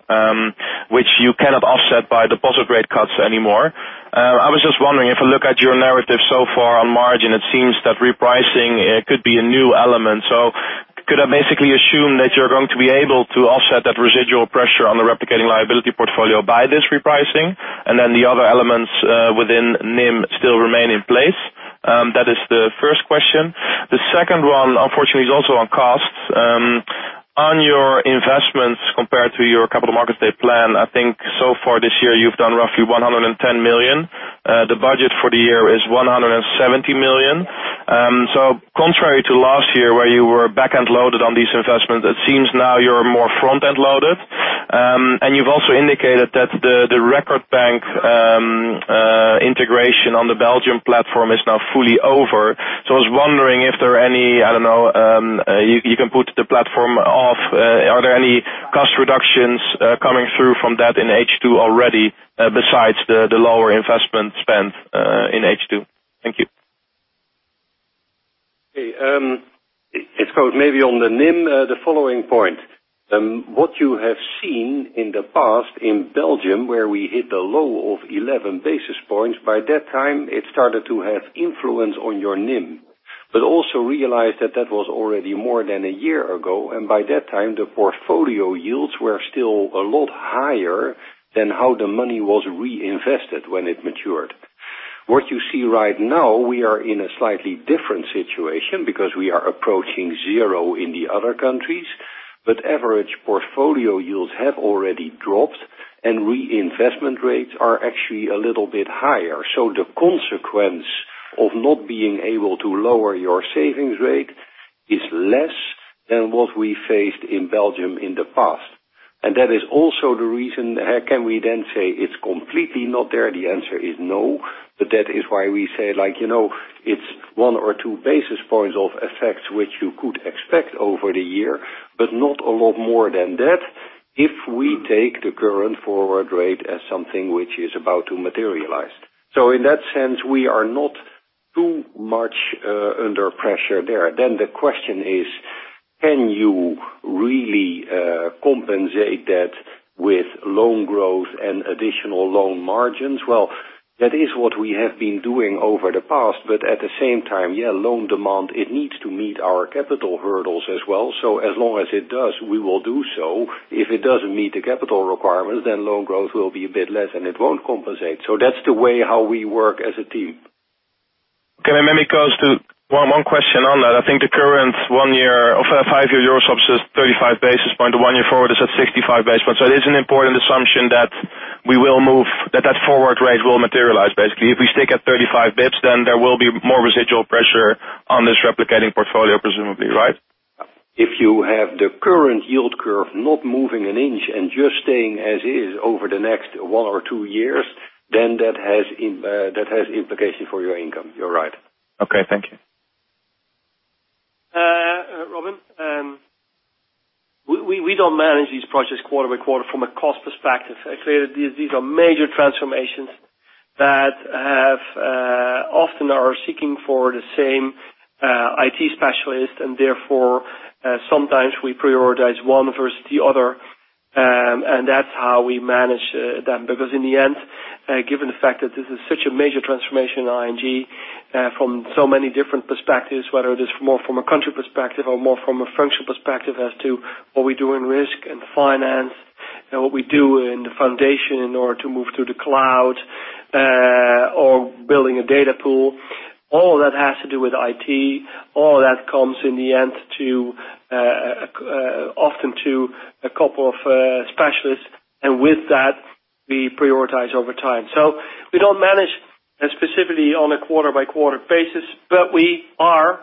which you cannot offset by deposit rate cuts anymore. I was just wondering, if I look at your narrative so far on margin, it seems that repricing could be a new element. Could I basically assume that you're going to be able to offset that residual pressure on the replicating liability portfolio by this repricing? Then the other elements within NIM still remain in place? That is the first question. The second one, unfortunately, is also on costs. On your investments compared to your capital markets day plan, I think so far this year, you've done roughly 110 million. The budget for the year is 170 million. Contrary to last year where you were back end loaded on these investments, it seems now you're more front end loaded. You've also indicated that the Record Bank integration on the Belgium platform is now fully over. I was wondering if there are any cost reductions coming through from that in H2 already, besides the lower investment spend in H2? Thank you. Okay. It's Koos maybe on the NIM, the following point. What you have seen in the past in Belgium, where we hit the low of 11 basis points, by that time it started to have influence on your NIM. Also realize that that was already more than a year ago, by that time, the portfolio yields were still a lot higher than how the money was reinvested when it matured. What you see right now, we are in a slightly different situation because we are approaching zero in the other countries, but average portfolio yields have already dropped and reinvestment rates are actually a little bit higher. The consequence of not being able to lower your savings rate is less than what we faced in Belgium in the past. That is also the reason, can we then say it's completely not there? The answer is no, but that is why we say it's one or two basis points of effects which you could expect over the year, but not a lot more than that if we take the current forward rate as something which is about to materialize. In that sense, we are not too much under pressure there. The question is, can you really compensate that with loan growth and additional loan margins? That is what we have been doing over the past, but at the same time, loan demand, it needs to meet our capital hurdles as well. As long as it does, we will do so. If it doesn't meet the capital requirements, loan growth will be a bit less and it won't compensate. That's the way how we work as a team. Can I maybe close to one question on that. I think the current five-year EUR swap is 35 basis points, the one year forward is at 65 basis points. It is an important assumption that that forward rate will materialize, basically. If we stick at 35 basis points, there will be more residual pressure on this replicating portfolio, presumably, right? If you have the current yield curve not moving an inch and just staying as is over the next one or two years, that has implications for your income. You're right. Okay. Thank you. Robin, we don't manage these projects quarter-by-quarter from a cost perspective. These are major transformations that often are seeking for the same IT specialist. Therefore, sometimes we prioritize one versus the other, and that's how we manage them. In the end, given the fact that this is such a major transformation at ING from so many different perspectives, whether it is more from a country perspective or more from a functional perspective as to what we do in risk and finance and what we do in the foundation in order to move to the cloud or building a data pool, all that has to do with IT, all that comes, in the end, often to a couple of specialists. With that, we prioritize over time. We don't manage specifically on a quarter-by-quarter basis, but we are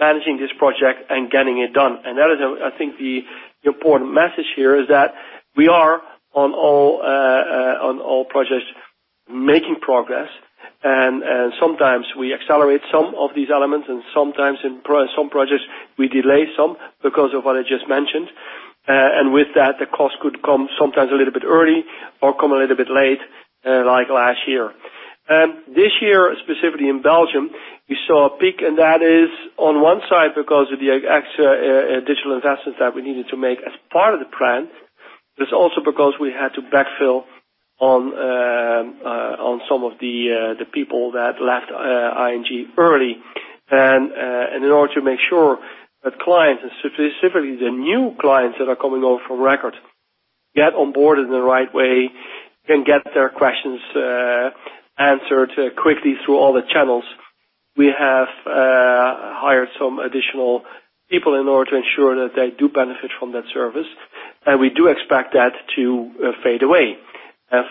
managing this project and getting it done. That is, I think, the important message here is that we are, on all projects, making progress. Sometimes we accelerate some of these elements, and sometimes in some projects, we delay some because of what I just mentioned. With that, the cost could come sometimes a little bit early or come a little bit late, like last year. This year, specifically in Belgium, we saw a peak, and that is on one side because of the extra digital investments that we needed to make as part of the plan, but it's also because we had to backfill on some of the people that left ING early. In order to make sure that clients, and specifically the new clients that are coming over from Record, get onboarded in the right way and get their questions answered quickly through all the channels. We have hired some additional people in order to ensure that they do benefit from that service. We do expect that to fade away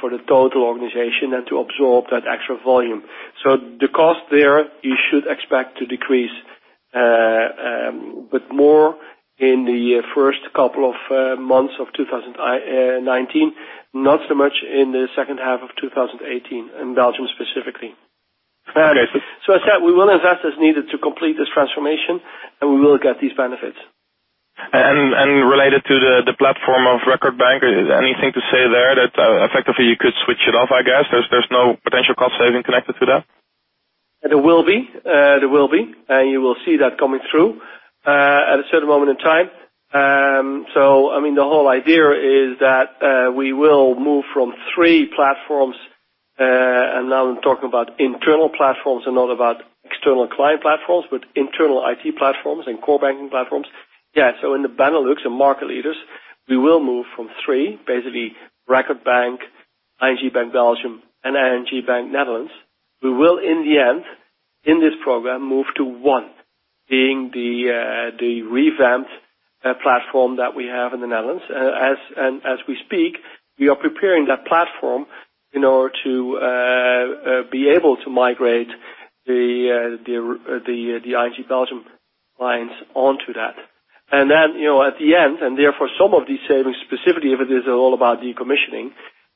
for the total organization and to absorb that extra volume. The cost there, you should expect to decrease, but more in the first couple of months of 2019, not so much in the second half of 2018, in Belgium specifically. Okay. As I said, we will invest as needed to complete this transformation, and we will get these benefits. Related to the platform of Record Bank, is there anything to say there that effectively you could switch it off, I guess? There's no potential cost saving connected to that? There will be. You will see that coming through at a certain moment in time. The whole idea is that we will move from three platforms, and now I'm talking about internal platforms and not about external client platforms, but internal IT platforms and core banking platforms. In the Benelux and market leaders, we will move from three, basically Record Bank, ING Bank Belgium, and ING Bank N.V.. We will, in the end, in this program, move to one, being the revamped platform that we have in the Netherlands. As we speak, we are preparing that platform in order to be able to migrate the ING Belgium clients onto that. Then, at the end, and therefore some of these savings, specifically, if it is all about decommissioning,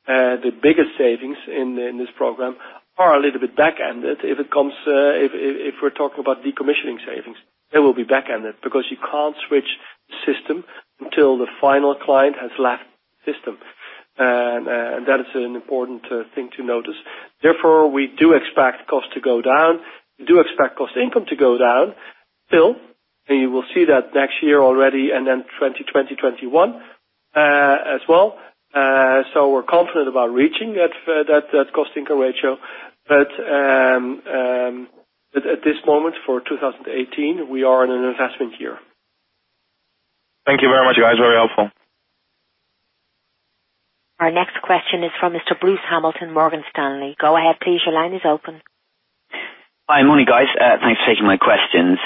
the biggest savings in this program are a little bit back-ended. If we're talking about decommissioning savings, they will be back-ended because you can't switch the system until the final client has left the system. That is an important thing to notice. Therefore, we do expect cost to go down. We do expect cost income to go down still, and you will see that next year already and then 2021 as well. We're confident about reaching that cost-income ratio. At this moment, for 2018, we are in an investment year. Thank you very much, guys. Very helpful. Our next question is from Mr. Bruce Hamilton, Morgan Stanley. Go ahead, please. Your line is open. Hi. Morning, guys. Thanks for taking my questions.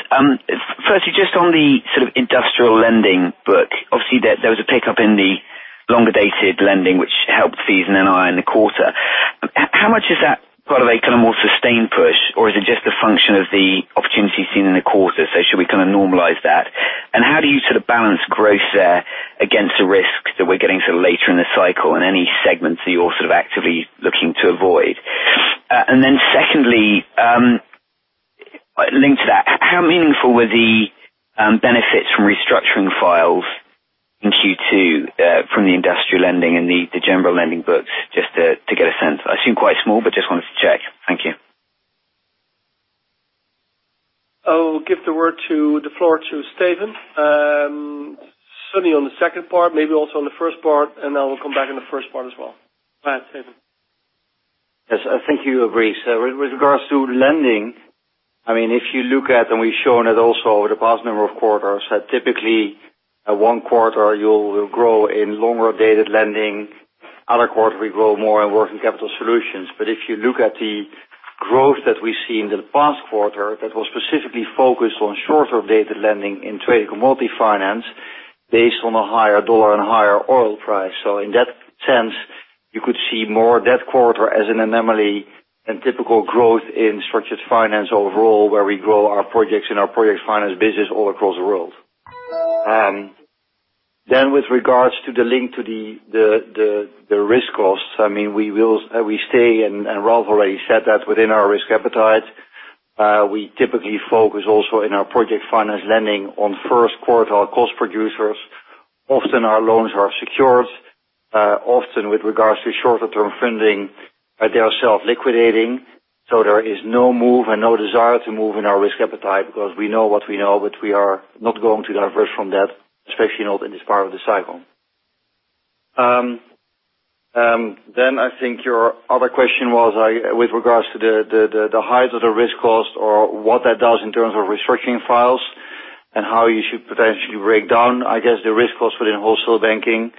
Firstly, just on the industrial lending book, obviously there was a pickup in the longer-dated lending, which helped fees and NII in the quarter. Should we normalize that? How do you balance growth there against the risk that we're getting to later in the cycle, and any segments that you're actively looking to avoid? Secondly, linked to that, how meaningful were the benefits from restructuring files in Q2 from the industrial lending and the general lending books, just to get a sense. They seem quite small, but just wanted to check. Thank you. I will give the word, the floor, to Steven. Certainly on the second part, maybe also on the first part, I will come back on the first part as well. Go ahead, Steven. Yes. Thank you, Bruce. With regards to lending, if you look at, and we've shown it also over the past number of quarters, that typically one quarter you'll grow in longer-dated lending. Another quarter, we grow more in working capital solutions. If you look at the growth that we see in the past quarter, that was specifically focused on shorter-dated lending in trade and commodity finance based on a higher dollar and higher oil price. In that sense, you could see more of that quarter as an anomaly and typical growth in structured finance overall, where we grow our projects and our project finance business all across the world. With regards to the link to the risk costs, we stay, and Ralph already said that, within our risk appetite. We typically focus also in our project finance lending on first-quartile cost producers. Often our loans are secured. Often with regards to shorter-term funding, they are self-liquidating, so there is no move and no desire to move in our risk appetite because we know what we know. We are not going to divert from that, especially not in this part of the cycle. I think your other question was with regards to the height of the risk cost or what that does in terms of restructuring files and how you should potentially break down, I guess, the risk cost within wholesale banking.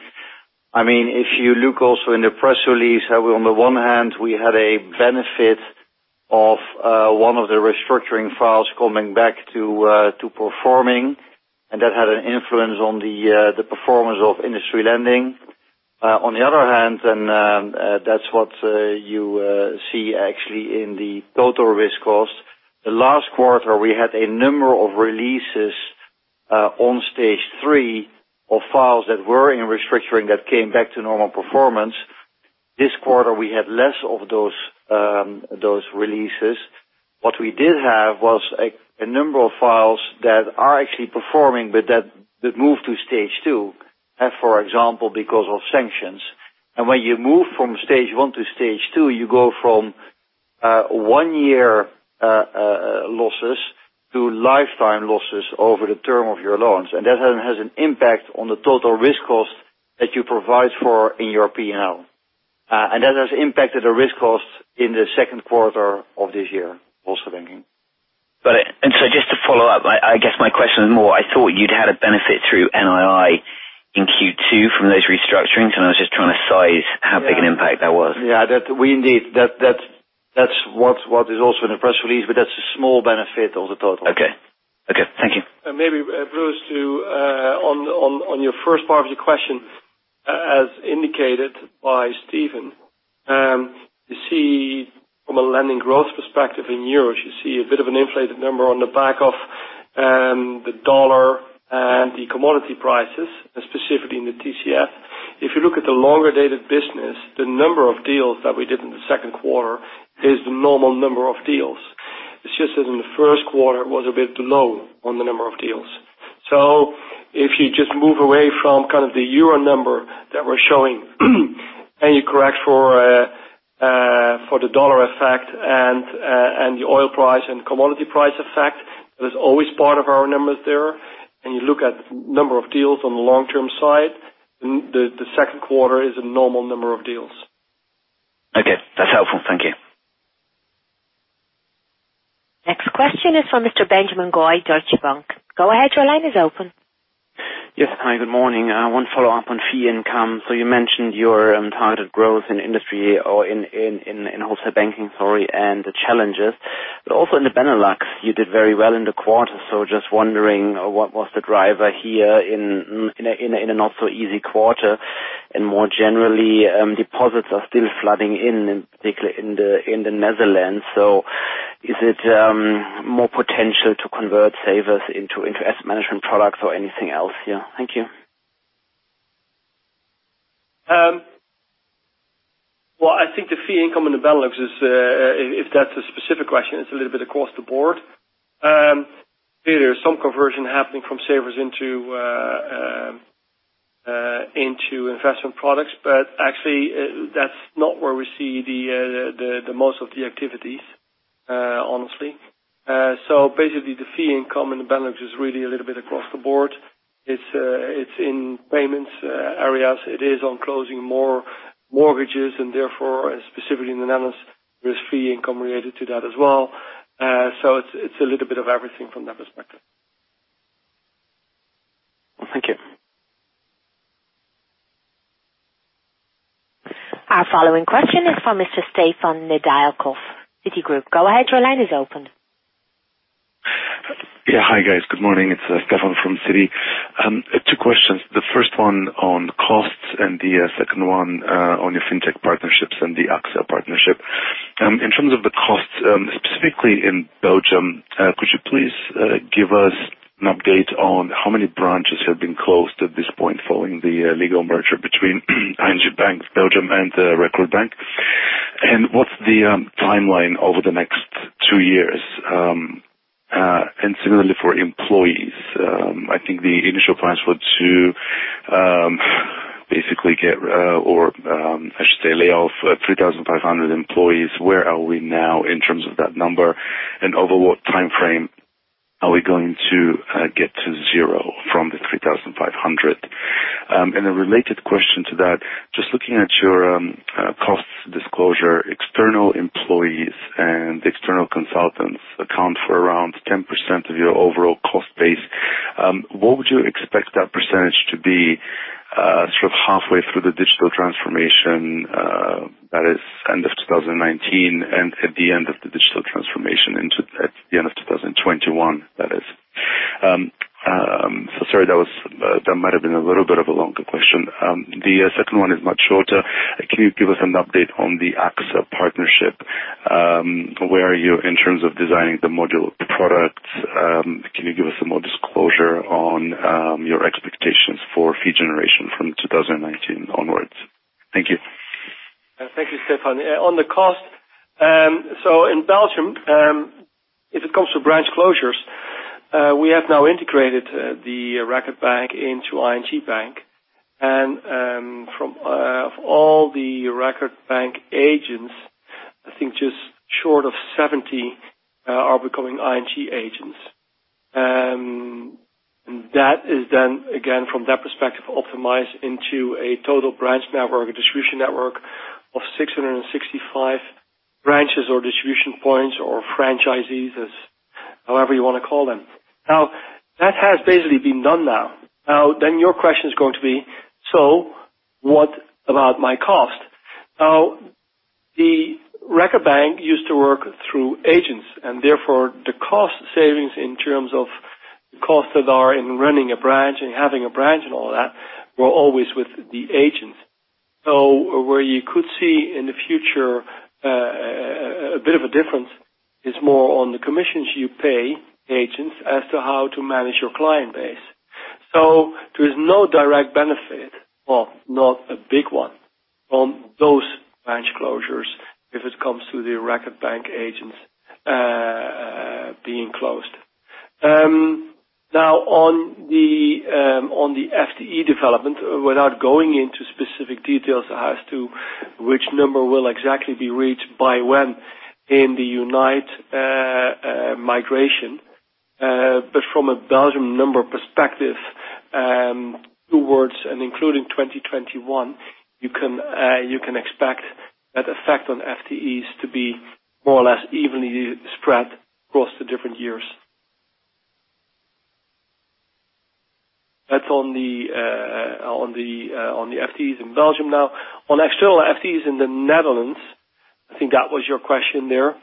If you look also in the press release, on the one hand, we had a benefit of one of the restructuring files coming back to performing, and that had an influence on the performance of industry lending. On the other hand, and that's what you see actually in the total risk cost, the last quarter, we had a number of releases on Stage 3 of files that were in restructuring that came back to normal performance. This quarter, we had less of those releases. What we did have was a number of files that are actually performing but that moved to Stage 2, for example, because of sanctions. When you move from Stage 1 to Stage 2, you go from one-year losses to lifetime losses over the term of your loans. That has an impact on the total risk cost that you provide for in your P&L. That has impacted the risk cost in the second quarter of this year, wholesale banking. Just to follow up, I guess my question is more, I thought you'd had a benefit through NII in Q2 from those restructurings, and I was just trying to size how big an impact that was. Indeed. That's what is also in the press release, but that's a small benefit of the total. Thank you. Maybe, Bruce, on your first part of your question, as indicated by Steven, from a lending growth perspective in euros, you see a bit of an inflated number on the back of the dollar and the commodity prices, specifically in the TCF. If you look at the longer-dated business, the number of deals that we did in the second quarter is the normal number of deals. It's just that in the first quarter, it was a bit low on the number of deals. If you just move away from the euro number that we're showing, and you correct for the dollar effect and the oil price and commodity price effect, that is always part of our numbers there, and you look at number of deals on the long-term side, the second quarter is a normal number of deals. That's helpful. Thank you. Next question is from Mr. Benjamin Goy, Deutsche Bank. Go ahead, your line is open. Yes. Hi, good morning. I want to follow up on fee income. You mentioned your targeted growth in industry or in wholesale banking, sorry, and the challenges. Also in the Benelux, you did very well in the quarter. Just wondering what was the driver here in a not-so-easy quarter. More generally, deposits are still flooding in particular in the Netherlands. Is it more potential to convert savers into asset management products or anything else? Yeah. Thank you. Well, I think the fee income in the Benelux is, if that's a specific question, it's a little bit across the board. There is some conversion happening from savers into investment products. Actually, that's not where we see the most of the activities, honestly. Basically, the fee income in the Benelux is really a little bit across the board. It's in payments areas. It is on closing more mortgages and therefore, specifically in the Netherlands, there's fee income related to that as well. It's a little bit of everything from that perspective. Thank you. Our following question is from Mr. Stefan Nedialkov, Citigroup. Go ahead, your line is open. Hi, guys. Good morning. It's Stefan from Citi. Two questions. The first one on costs and the second one on your fintech partnerships and the AXA partnership. In terms of the costs, specifically in Belgium, could you please give us an update on how many branches have been closed at this point following the legal merger between ING Bank Belgium and Record Bank? What's the timeline over the next two years? Similarly for employees, I think the initial plans were to basically lay off 3,500 employees. Where are we now in terms of that number? Over what timeframe are we going to get to 0 from the 3,500? A related question to that, just looking at your costs disclosure, external employees and external consultants account for around 10% of your overall cost base. What would you expect that percentage to be halfway through the digital transformation that is end of 2019 and at the end of the digital transformation at the end of 2021, that is. Sorry, that might have been a little bit of a longer question. The second one is much shorter. Can you give us an update on the AXA partnership? Where are you in terms of designing the modular products? Can you give us some more disclosure on your expectations for fee generation from 2019 onwards? Thank you. Thank you, Stefan. On the cost, in Belgium, if it comes to branch closures, we have now integrated the Record Bank into ING Bank. Of all the Record Bank agents, I think just short of 70 are becoming ING agents. That is then, again, from that perspective, optimized into a total branch network, a distribution network of 665 branches or distribution points or franchisees, however you want to call them. That has basically been done now. Then your question is going to be, what about my cost? The Record Bank used to work through agents, therefore the cost savings in terms of costs that are in running a branch and having a branch and all that, were always with the agents. Where you could see in the future, a bit of a difference is more on the commissions you pay agents as to how to manage your client base. There is no direct benefit, well, not a big one from those branch closures if it comes to the Record Bank agents being closed. On the FTE development, without going into specific details as to which number will exactly be reached by when in the Unite migration, but from a Belgium number perspective, towards and including 2021, you can expect that effect on FTEs to be more or less evenly spread across the different years. That's on the FTEs in Belgium now. On external FTEs in the Netherlands, I think that was your question there.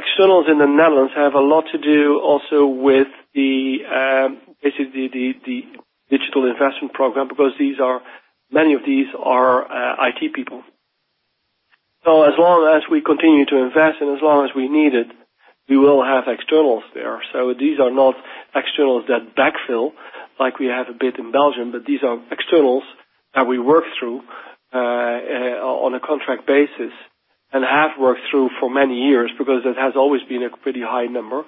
Externals in the Netherlands have a lot to do also with the digital investment program because many of these are IT people. As long as we continue to invest and as long as we need it, we will have externals there. These are not externals that backfill, like we have a bit in Belgium, but these are externals that we work through on a contract basis and have worked through for many years because it has always been a pretty high number,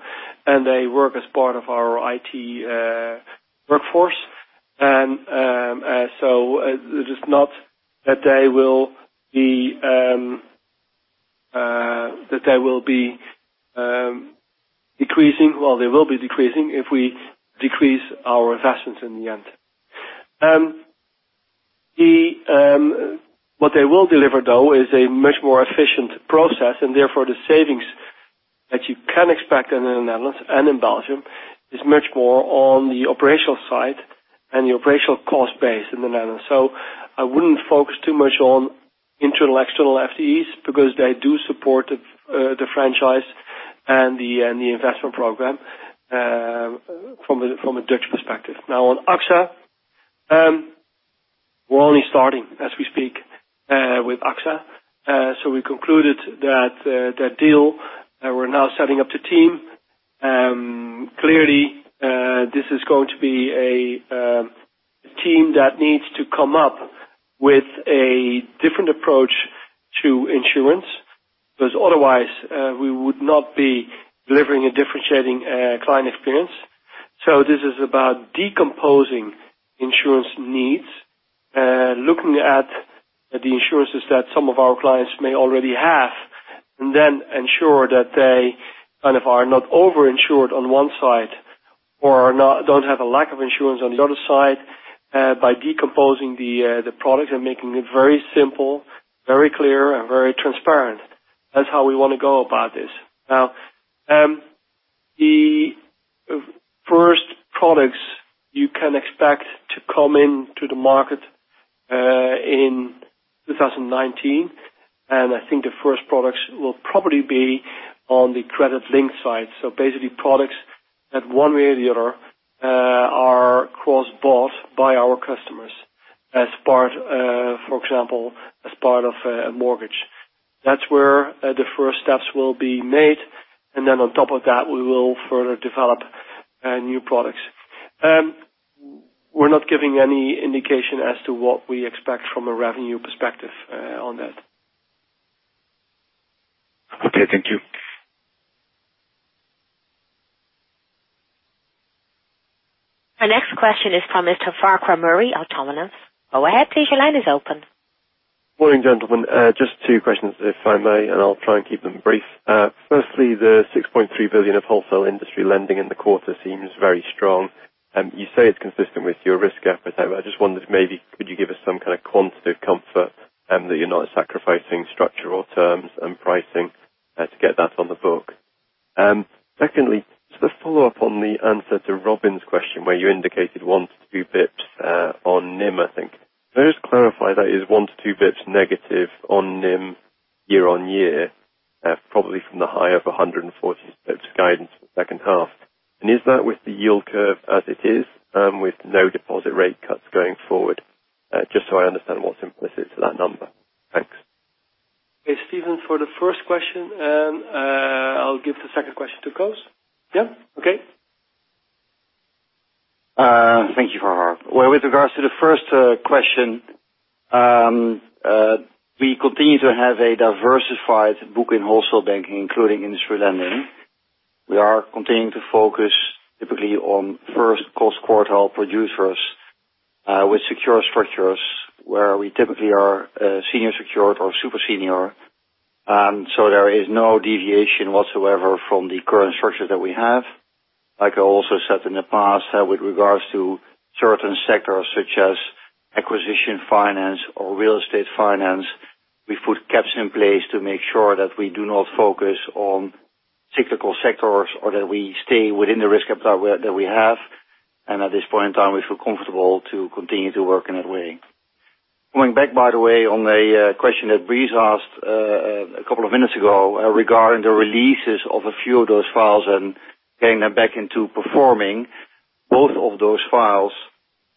and they work as part of our IT workforce. It is not that they will be decreasing. Well, they will be decreasing if we decrease our investments in the end. What they will deliver, though, is a much more efficient process, and therefore the savings that you can expect in the Netherlands and in Belgium is much more on the operational side and the operational cost base in the Netherlands. I wouldn't focus too much on internal, external FTEs because they do support the franchise and the investment program from a Dutch perspective. On AXA, we're only starting as we speak, with AXA. We concluded that deal. We're now setting up the team. Clearly, this is going to be a team that needs to come up with a different approach to insurance, because otherwise we would not be delivering a differentiating client experience. This is about decomposing insurance needs, looking at the insurances that some of our clients may already have, and then ensure that they are not over-insured on one side or don't have a lack of insurance on the other side, by decomposing the product and making it very simple, very clear and very transparent. That's how we want to go about this. The first products you can expect to come into the market in 2019, and I think the first products will probably be on the credit link side. Basically, products that one way or the other are cross-bought by our customers, for example, as part of a mortgage. That's where the first steps will be made, and then on top of that, we will further develop new products. We're not giving any indication as to what we expect from a revenue perspective on that. Okay, thank you. Our next question is from Mr. Farquhar Murray, Autonomous. Go ahead, please. Your line is open. Morning, gentlemen. Just two questions, if I may, I'll try and keep them brief. Firstly, the 6.3 billion of wholesale industry lending in the quarter seems very strong. You say it's consistent with your risk appetite, but I just wondered maybe could you give us some kind of quantitative comfort that you're not sacrificing structural terms and pricing to get that on the book? Secondly, just a follow-up on the answer to Robin's question, where you indicated one to two basis points on NIM, I think. Can I just clarify that is one to two basis points negative on NIM year-over-year, probably from the high of 140 basis points guidance for the second half? Is that with the yield curve as it is, with no deposit rate cuts going forward? Just so I understand what's implicit to that number. Thanks. Okay, Steven, for the first question, I'll give the second question to Koos. Yeah? Okay. Thank you, Farquhar. Well, with regards to the first question, we continue to have a diversified book in wholesale banking, including industry lending. We are continuing to focus typically on first cost quartile producers, with secure structures, where we typically are senior secured or super senior. There is no deviation whatsoever from the current structures that we have. Like I also said in the past, with regards to certain sectors such as acquisition finance or real estate finance, we put caps in place to make sure that we do not focus on cyclical sectors or that we stay within the risk appetite that we have. At this point in time, we feel comfortable to continue to work in that way. Going back, by the way, on a question that Bruce asked a couple of minutes ago regarding the releases of a few of those files and getting them back into performing, both of those files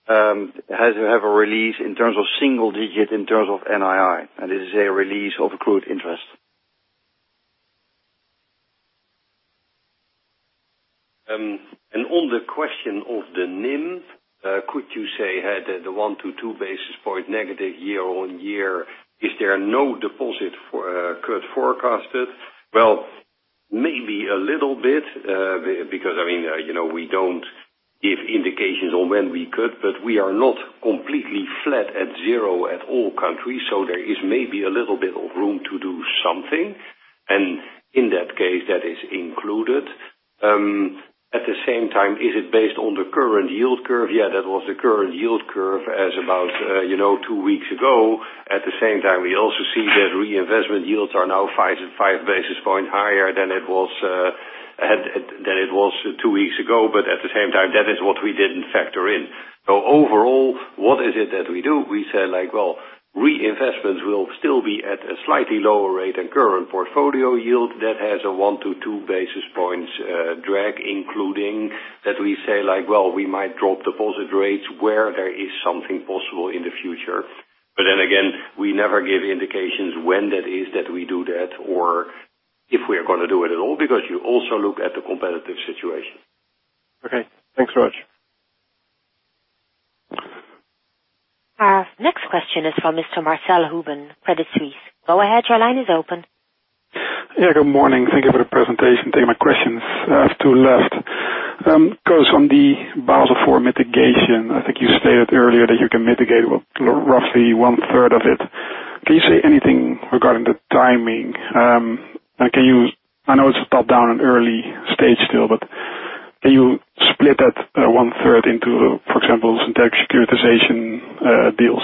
have a release in terms of single digit in terms of NII, it is a release of accrued interest. On the question of the NIM, could you say had the one to two basis point negative year-over-year, is there no deposit cut forecasted? Well, maybe a little bit, because we don't give indications on when we could, but we are not completely flat at zero at all countries, there is maybe a little bit of room to do something. In that case, that is included. At the same time, is it based on the current yield curve? Yeah, that was the current yield curve as about 2 weeks ago. At the same time, we also see that reinvestment yields are now five basis point higher than it was 2 weeks ago. At the same time, that is what we didn't factor in. Overall, what is it that we do? We say, well, reinvestments will still be at a slightly lower rate than current portfolio yield. That has a one to two basis points drag, including that we say, well, we might drop deposit rates where there is something possible in the future. Again, we never give indications when that is that we do that or if we're going to do it at all, because you also look at the competitive situation. Okay, thanks very much. Our next question is from Mr. Marcel Hoeben, Credit Suisse. Go ahead, your line is open. Good morning. Thank you for the presentation. Thank you for my questions. I have two left. Koos, on the Basel IV mitigation, I think you stated earlier that you can mitigate roughly one-third of it. Can you say anything regarding the timing? I know it's top-down and early stage still, but can you split that one-third into, for example, synthetic securitization deals?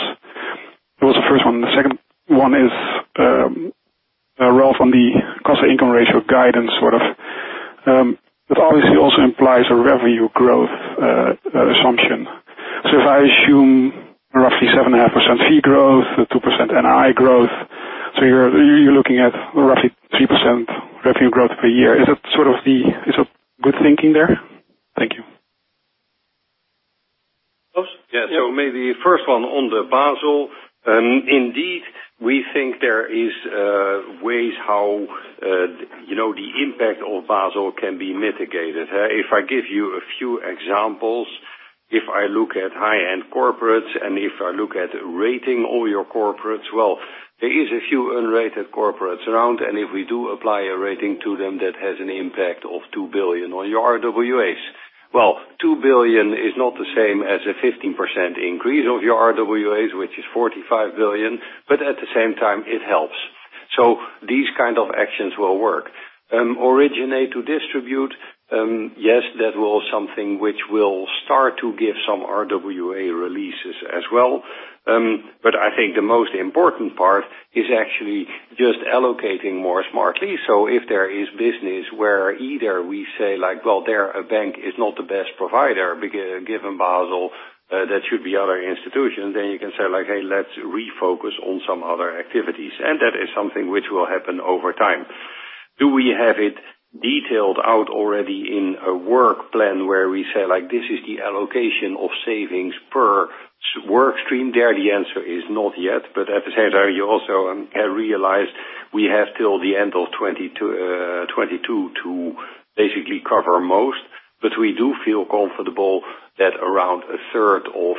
That was the first one. The second one is, Ralph, on the cost-to-income ratio guidance. That obviously also implies a revenue growth assumption. If I assume roughly 7.5% fee growth, 2% NII growth, you're looking at roughly 3% revenue growth per year. Is that good thinking there? Thank you. Koos? Yeah. Maybe the first one on the Basel. Indeed, we think there is ways how the impact of Basel can be mitigated. If I give you a few examples. If I look at high-end corporates and if I look at rating all your corporates, well, there is a few unrated corporates around, and if we do apply a rating to them, that has an impact of 2 billion on your RWAs. Well, 2 billion is not the same as a 15% increase of your RWAs, which is 45 billion, but at the same time it helps. These kind of actions will work. Originate to distribute. Yes, that was something which will start to give some RWA releases as well. I think the most important part is actually just allocating more smartly. If there is business where either we say, "Well, there, a bank is not the best provider given Basel, that should be other institutions," then you can say, "Hey, let's refocus on some other activities." That is something which will happen over time. Do we have it detailed out already in a work plan where we say, "This is the allocation of savings per work stream?" There, the answer is not yet. At the same time, you also realize we have till the end of 2022 to basically cover most. We do feel comfortable that around a third of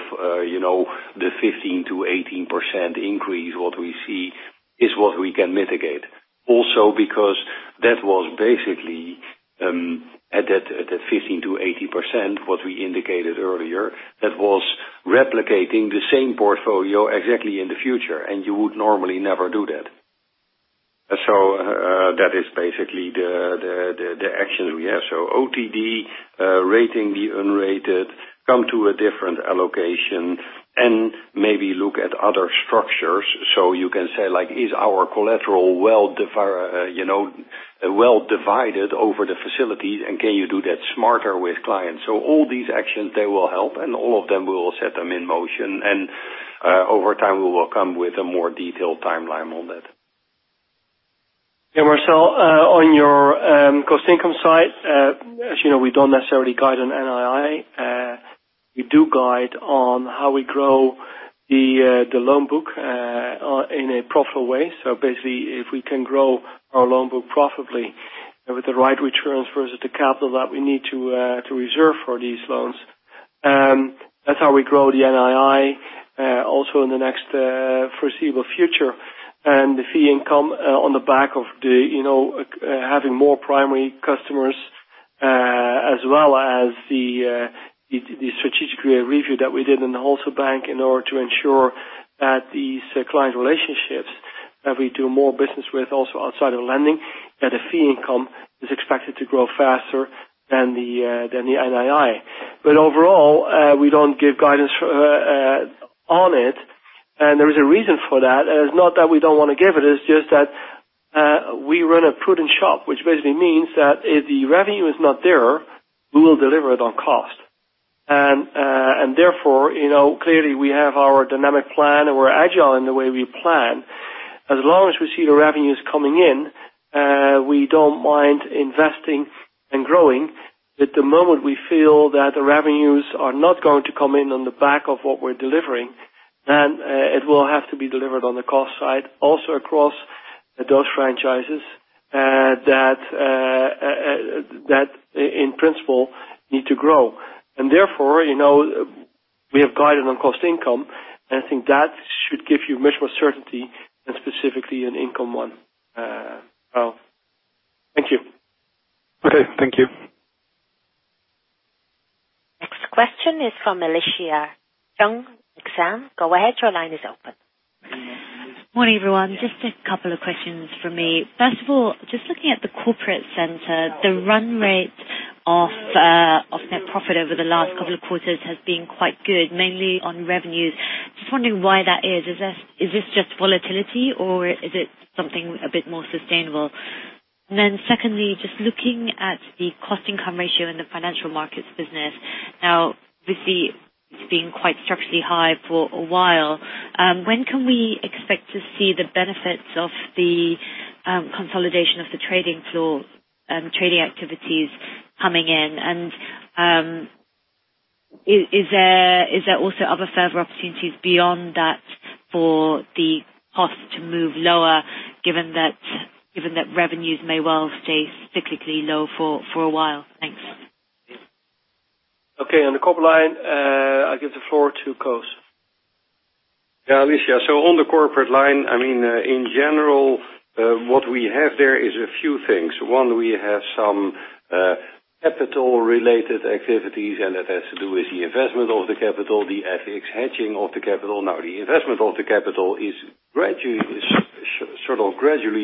the 15%-18% increase, what we see is what we can mitigate. Also because that was basically, at that 15%-18%, what we indicated earlier, that was replicating the same portfolio exactly in the future, and you would normally never do that. That is basically the actions we have. OTD, rating the unrated, come to a different allocation and maybe look at other structures, so you can say, "Is our collateral well-divided over the facilities, and can you do that smarter with clients?" All these actions, they will help, and all of them, we will set them in motion. Over time, we will come with a more detailed timeline on that. Yeah, Marcel, on your cost income side, as you know, we don't necessarily guide on NII. We do guide on how we grow the loan book in a profitable way. Basically, if we can grow our loan book profitably with the right returns versus the capital that we need to reserve for these loans, that's how we grow the NII also in the next foreseeable future. The fee income on the back of having more primary customers, as well as the strategic review that we did in the wholesale bank in order to ensure that these client relationships that we do more business with also outside of lending, that the fee income is expected to grow faster than the NII. Overall, we don't give guidance on it, and there is a reason for that. It's not that we don't want to give it's just that we run a prudent shop, which basically means that if the revenue is not there, we will deliver it on cost. Therefore, clearly, we have our dynamic plan, and we're agile in the way we plan. As long as we see the revenues coming in, we don't mind investing and growing. The moment we feel that the revenues are not going to come in on the back of what we're delivering, then it will have to be delivered on the cost side, also across those franchises that in principle need to grow. Therefore, we have guided on cost income, and I think that should give you much more certainty than specifically an income one. Thank you. Okay. Thank you. Next question is from Alicia Chung. Go ahead, your line is open. Morning, everyone. Just a couple of questions from me. First of all, just looking at the corporate center, the run rate of net profit over the last couple of quarters has been quite good, mainly on revenues. Just wondering why that is. Is this just volatility, or is it something a bit more sustainable? Secondly, just looking at the cost income ratio in the financial markets business. We see it's been quite structurally high for a while. When can we expect to see the benefits of the consolidation of the trading floor, trading activities coming in? Is there also other further opportunities beyond that for the cost to move lower, given that revenues may well stay cyclically low for a while? Thanks. Okay. On the corporate line, I give the floor to Koos. Alicia. On the corporate line, in general, what we have there is a few things. One, we have some capital-related activities, and that has to do with the investment of the capital, the FX hedging of the capital. The investment of the capital is gradually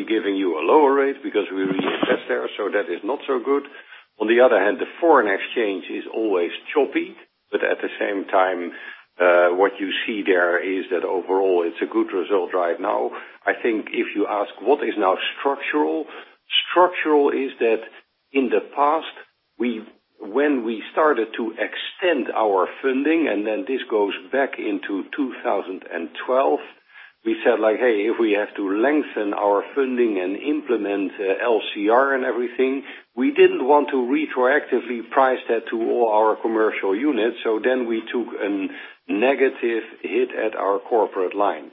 giving you a lower rate because we reinvest there, that is not so good. On the other hand, the foreign exchange is always choppy, at the same time, what you see there is that overall, it's a good result right now. I think if you ask what is now structural is that in the past, when we started to extend our funding, this goes back into 2012, we said, "Hey, if we have to lengthen our funding and implement LCR and everything," we didn't want to retroactively price that to all our commercial units. We took a negative hit at our corporate line.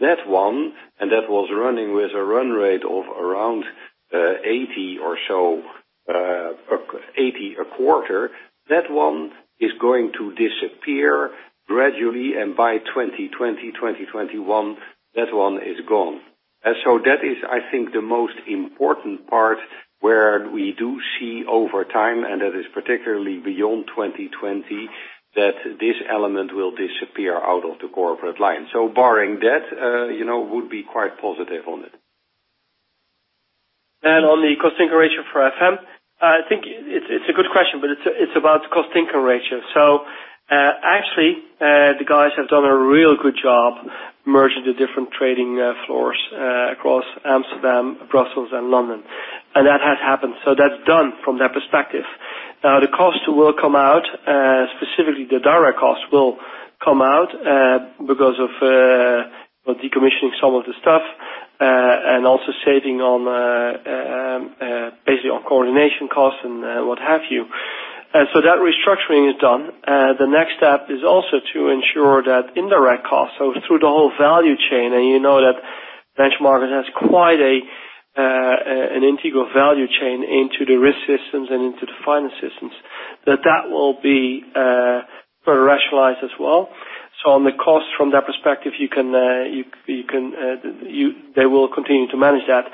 That one, that was running with a run rate of around 80 or so, 80 a quarter. That one is going to disappear gradually, by 2020, 2021, that one is gone. That is, I think, the most important part where we do see over time, that is particularly beyond 2020, that this element will disappear out of the corporate line. Barring that, would be quite positive on it. On the cost income ratio for FM, I think it's a good question, it's about cost income ratio. Actually, the guys have done a really good job merging the different trading floors across Amsterdam, Brussels, and London. That has happened. That's done from that perspective. The cost will come out, specifically the direct cost will come out because of decommissioning some of the stuff, also saving on basically coordination costs and what have you. That restructuring is done. The next step is also to ensure that indirect costs, through the whole value chain, you know that benchmark has quite an integral value chain into the risk systems and into the finance systems, that will be further rationalized as well. On the cost from that perspective, they will continue to manage that.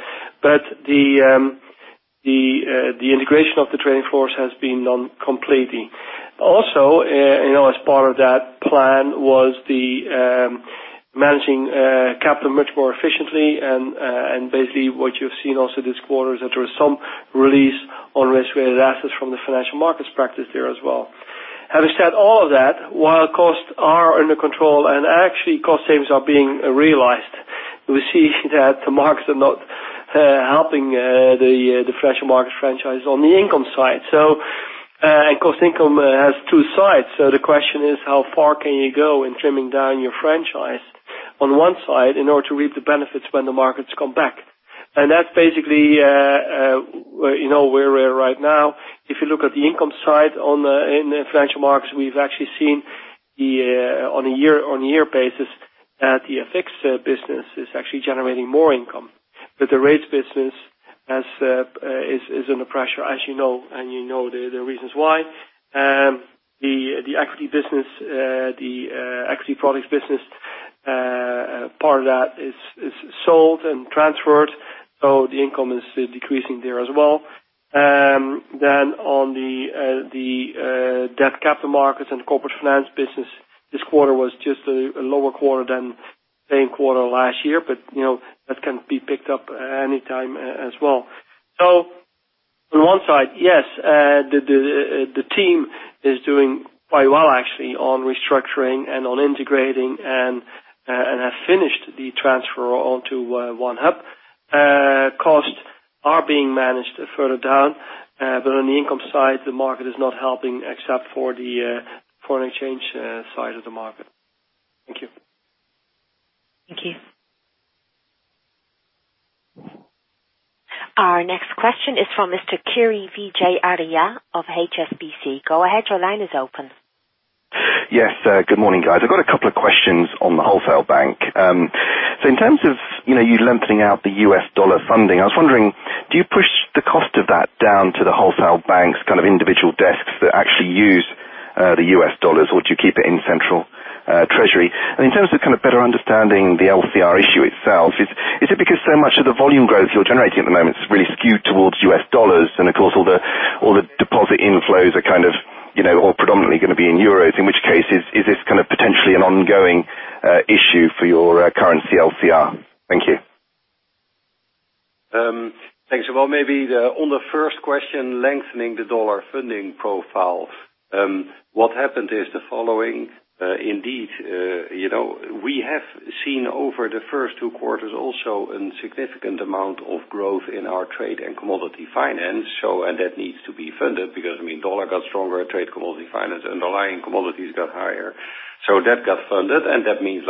The integration of the trading force has been done completely. Also, as part of that plan was the managing capital much more efficiently and basically what you've seen also this quarter is that there was some release on risk-related assets from the financial markets practice there as well. Having said all of that, while costs are under control and actually cost savings are being realized, we see that the markets are not helping the financial market franchise on the income side. Cost income has two sides. The question is, how far can you go in trimming down your franchise on one side in order to reap the benefits when the markets come back? That's basically where we're at right now. If you look at the income side in the financial markets, we've actually seen on a year-on-year basis that the FX business is actually generating more income. The rates business is under pressure, as you know, you know the reasons why. The equity products business, part of that is sold and transferred. The income is decreasing there as well. On the debt capital markets and corporate finance business, this quarter was just a lower quarter than same quarter last year, that can be picked up anytime as well. On one side, yes, the team is doing quite well actually on restructuring and on integrating and have finished the transfer onto one hub. Costs are being managed further down. On the income side, the market is not helping except for the foreign exchange side of the market. Thank you. Thank you. Our next question is from Mr. Kiri Vijayarajah of HSBC. Go ahead, your line is open. Yes. Good morning, guys. I've got a couple of questions on the wholesale bank. In terms of you lengthening out the US dollar funding, I was wondering, do you push the cost of that down to the wholesale banks, kind of individual desks that actually use the US dollars, or do you keep it in central treasury? In terms of kind of better understanding the LCR issue itself, is it because so much of the volume growth you're generating at the moment is really skewed towards US dollars and, of course, all the deposit inflows are kind of all predominantly going to be in euros, in which case, is this kind of potentially an ongoing issue for your currency LCR? Thank you. Thanks. Well, maybe on the first question, lengthening the dollar funding profile. What happened is the following. Indeed, we have seen over the first two quarters also a significant amount of growth in our trade and commodity finance. That needs to be funded because, I mean, dollar got stronger, trade commodity finance, underlying commodities got higher. That got funded, and that means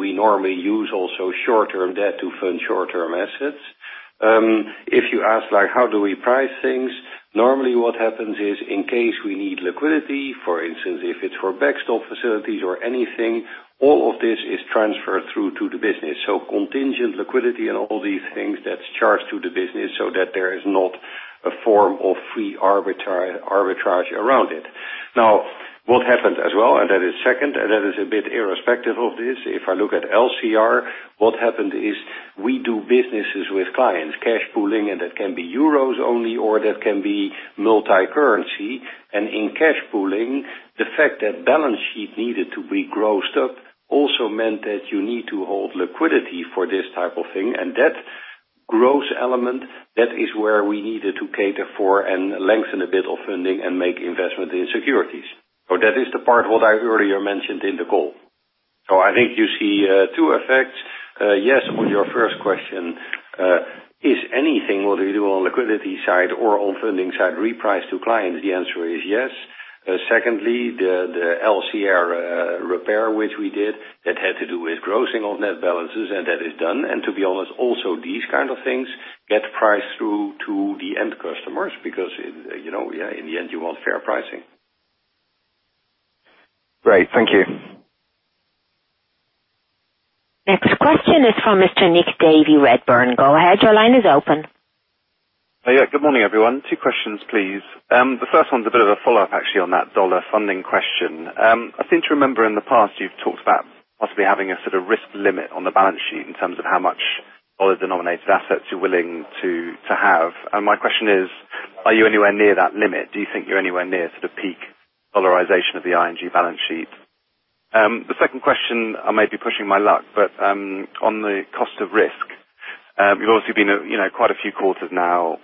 we normally use also short-term debt to fund short-term assets. If you ask how do we price things, normally what happens is, in case we need liquidity, for instance, if it's for backstop facilities or anything, all of this is transferred through to the business. Contingent liquidity and all these things, that's charged to the business so that there is not a form of free arbitrage around it. What happened as well, and that is second, and that is a bit irrespective of this. If I look at LCR, what happened is we do businesses with clients, cash pooling, and that can be EUR only or that can be multi-currency. In cash pooling, the fact that balance sheet needed to be grossed up also meant that you need to hold liquidity for this type of thing. That gross element, that is where we needed to cater for and lengthen a bit of funding and make investment in securities. That is the part what I earlier mentioned in the call. I think you see two effects. Yes, on your first question, is anything what we do on liquidity side or on funding side repriced to clients? The answer is yes. Secondly, the LCR repair which we did, that had to do with grossing of net balances, and that is done. To be honest, also these kind of things get priced through to the end customers because, in the end, you want fair pricing. Great. Thank you. Next question is from Mr. Nick Davey at Berenberg. Go ahead, your line is open. Yeah. Good morning, everyone. Two questions, please. The first one's a bit of a follow-up actually on that dollar funding question. I seem to remember in the past you've talked about possibly having a sort of risk limit on the balance sheet in terms of how much dollar-denominated assets you're willing to have. My question is, are you anywhere near that limit? Do you think you're anywhere near sort of peak dollarization of the ING balance sheet? The second question, I may be pushing my luck, but on the cost of risk, you've obviously been quite a few quarters now,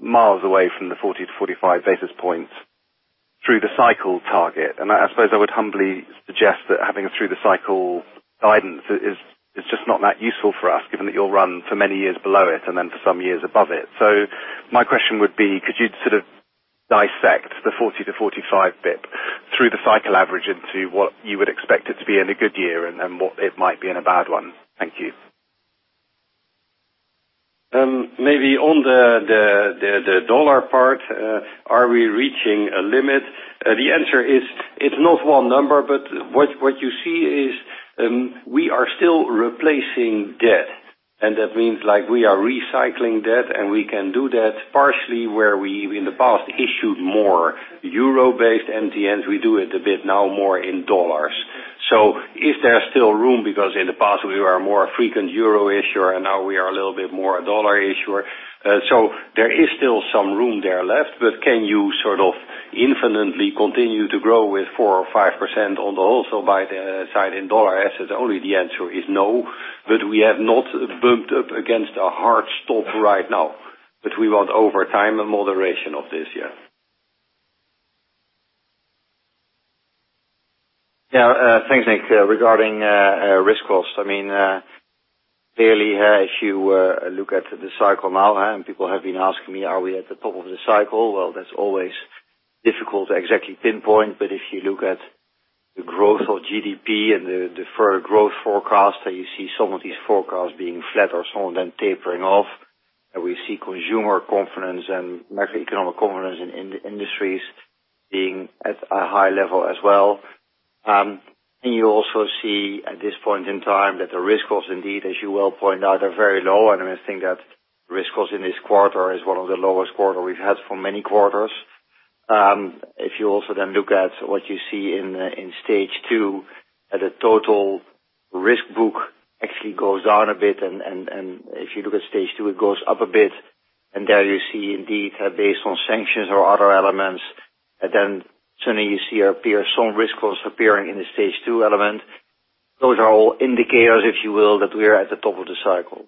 miles away from the 40-45 basis points through the cycle target. I suppose I would humbly suggest that having a through-the-cycle guidance is just not that useful for us, given that you'll run for many years below it and then for some years above it. My question would be, could you sort of dissect the 40-45 basis points through the cycle average into what you would expect it to be in a good year and what it might be in a bad one? Thank you. Maybe on the dollar part, are we reaching a limit? The answer is, it's not one number, but what you see is we are still replacing debt, and that means we are recycling debt, and we can do that partially where we, in the past, issued more EUR-based MTNs. We do it a bit now more in USD. Is there still room because, in the past, we were a more frequent EUR issuer, and now we are a little bit more a USD issuer. There is still some room there left. Can you infinitely continue to grow with 4% or 5% on the also by the side in USD assets only? The answer is no. We have not bumped up against a hard stop right now. We want, over time, a moderation of this. Yeah. Yeah. Thanks, Nick. Regarding risk cost, clearly, as you look at the cycle now, people have been asking me, are we at the top of the cycle? Well, that's always difficult to exactly pinpoint. If you look at the growth of GDP and the deferred growth forecast, you see some of these forecasts being flat or some of them tapering off. We see consumer confidence and macroeconomic confidence in industries being at a high level as well. You also see at this point in time that the risk costs indeed, as you well point out, are very low. I think that risk cost in this quarter is one of the lowest quarter we've had for many quarters. If you also look at what you see in stage 2, the total risk book actually goes down a bit. If you look at stage 2, it goes up a bit. There you see indeed, based on sanctions or other elements, then suddenly you see some risk costs appearing in the stage 2 element. Those are all indicators, if you will, that we are at the top of the cycle.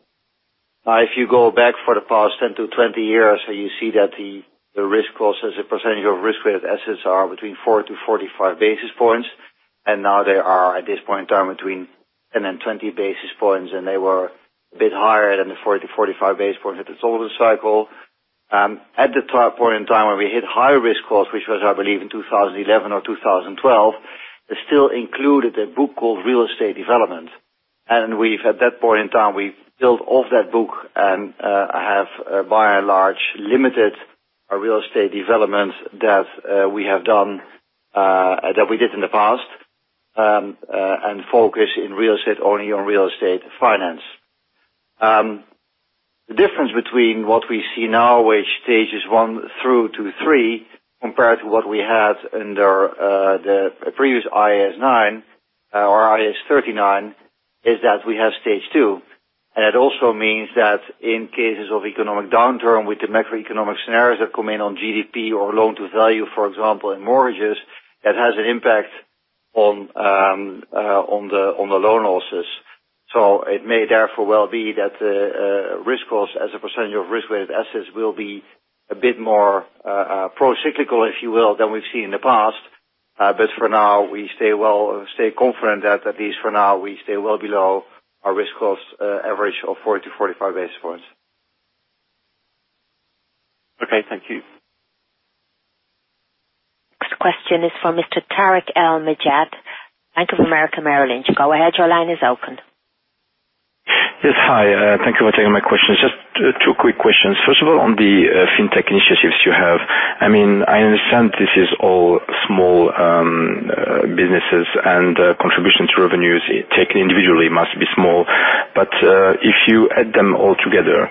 If you go back for the past 10-20 years, you see that the risk cost as a percentage of risk-weighted assets are between 4-45 basis points. Now they are, at this point in time, between 10-20 basis points, and they were a bit higher than the 40-45 basis points at the top of the cycle. At that point in time where we hit higher risk costs, which was, I believe, in 2011 or 2012, it still included a book called Real Estate Development. At that point in time, we built off that book and have, by and large, limited our real estate development that we did in the past, and focus only on real estate finance. The difference between what we see now with stages 1 through to 3 compared to what we had under the previous IFRS 9 or IAS 39 is that we have stage 2. It also means that in cases of economic downturn with the macroeconomic scenarios that come in on GDP or loan-to-value, for example, in mortgages, it has an impact on the loan losses. It may therefore well be that the risk cost as a percentage of risk-weighted assets will be a bit more procyclical, if you will, than we've seen in the past. For now, we stay confident that at least for now, we stay well below our risk cost average of 4-45 basis points. Okay, thank you. Next question is from Mr. Tarik El Mejjad, Bank of America, Merrill Lynch. Go ahead, your line is open. Yes, hi. Thank you for taking my questions. Just two quick questions. First of all, on the fintech initiatives you have. I understand this is all small businesses and contribution to revenues taken individually must be small. If you add them all together,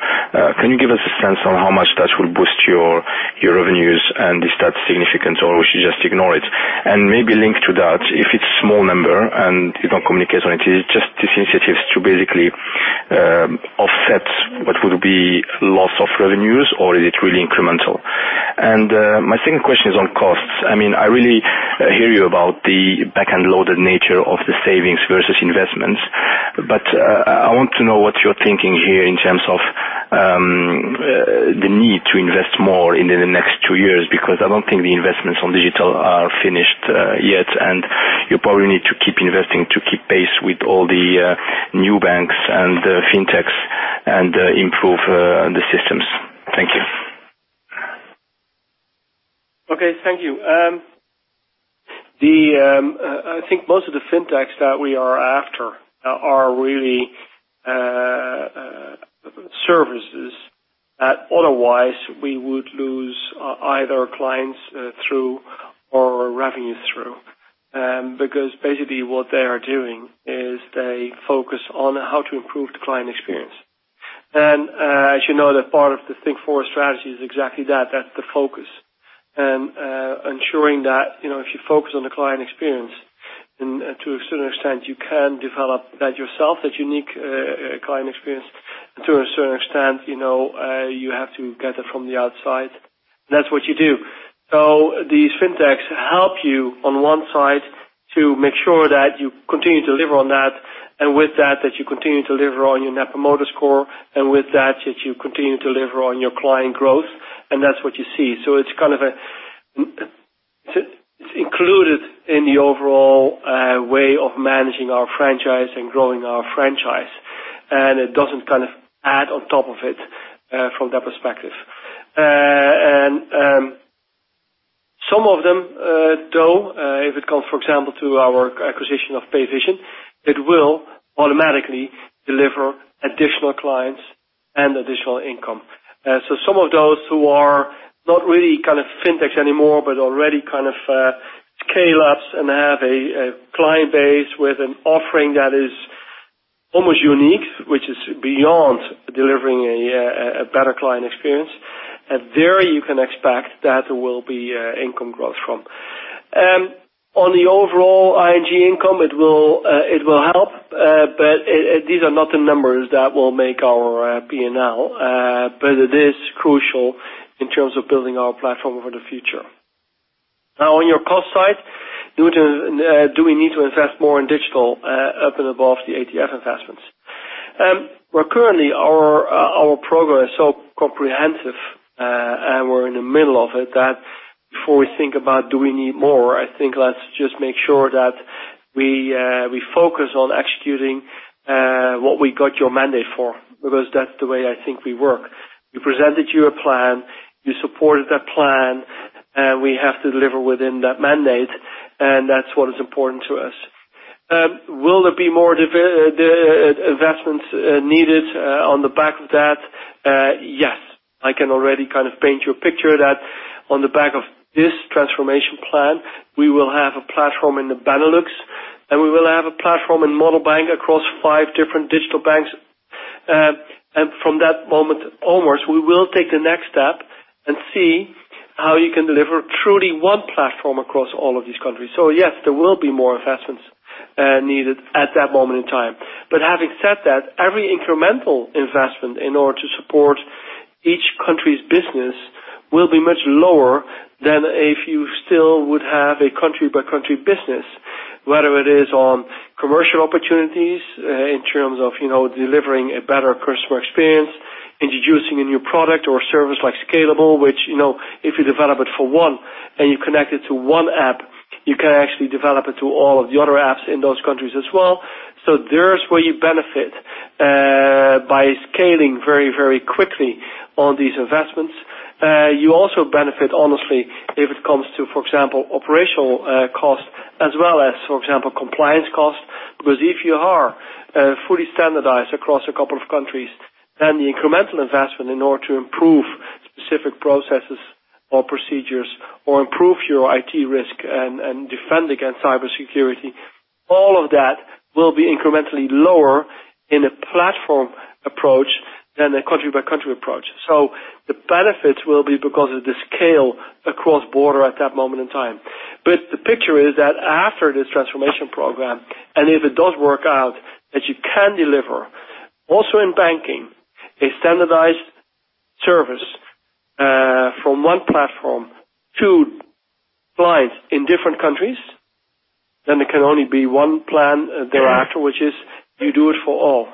can you give us a sense on how much that will boost your revenues? Is that significant, or we should just ignore it? Maybe linked to that, if it's small number and you don't communicate on it, is it just these initiatives to basically offset what would be loss of revenues, or is it really incremental? My second question is on costs. I really hear you about the back-end-loaded nature of the savings versus investments. I want to know what you're thinking here in terms of the need to invest more in the next two years, because I don't think the investments on digital are finished yet, and you probably need to keep investing to keep pace with all the new banks and fintechs and improve the systems. Thank you. Okay, thank you. I think most of the fintechs that we are after are really services. Otherwise, we would lose either clients through or revenue through. Basically what they are doing is they focus on how to improve the client experience. As you know, that part of the Think Forward strategy is exactly that. That's the focus. Ensuring that if you focus on the client experience, to a certain extent, you can develop that yourself, that unique client experience. To a certain extent, you have to get it from the outside, and that's what you do. These FinTechs help you on one side to make sure that you continue to deliver on that, and with that you continue to deliver on your Net Promoter Score, and with that you continue to deliver on your client growth, and that's what you see. It's included in the overall way of managing our franchise and growing our franchise, and it doesn't add on top of it from that perspective. Some of them, though if it comes, for example, to our acquisition of Payvision, it will automatically deliver additional clients and additional income. Some of those who are not really FinTech anymore but already scale ups and have a client base with an offering that is almost unique, which is beyond delivering a better client experience, there you can expect that there will be income growth from. On the overall ING income, it will help, but these are not the numbers that will make our P&L. It is crucial in terms of building our platform for the future. Now on your cost side, do we need to invest more in digital, up and above the ATF investments? Well, currently, our progress is so comprehensive, and we're in the middle of it, that before we think about do we need more, I think let's just make sure that we focus on executing what we got your mandate for, because that's the way I think we work. We presented you a plan, you supported that plan, and we have to deliver within that mandate, and that's what is important to us. Will there be more investments needed on the back of that? Yes. I can already paint you a picture that on the back of this transformation plan, we will have a platform in the Benelux, and we will have a platform in Model Bank across five different digital banks. From that moment onwards, we will take the next step and see how you can deliver truly one platform across all of these countries. Yes, there will be more investments needed at that moment in time. Having said that, every incremental investment in order to support each country's business will be much lower than if you still would have a country-by-country business, whether it is on commercial opportunities, in terms of delivering a better customer experience, introducing a new product or service like Scalable, which, if you develop it for one and you connect it to one app, you can actually develop it to all of the other apps in those countries as well. There's where you benefit by scaling very quickly on these investments. You also benefit, honestly, if it comes to, for example, operational costs as well as, for example, compliance costs. If you are fully standardized across a couple of countries, then the incremental investment in order to improve specific processes or procedures or improve your IT risk and defend against cybersecurity, all of that will be incrementally lower in a platform approach than a country-by-country approach. The benefits will be because of the scale across border at that moment in time. The picture is that after this transformation program, and if it does work out that you can deliver also in banking, a standardized service from one platform to clients in different countries, then there can only be one plan thereafter, which is you do it for all.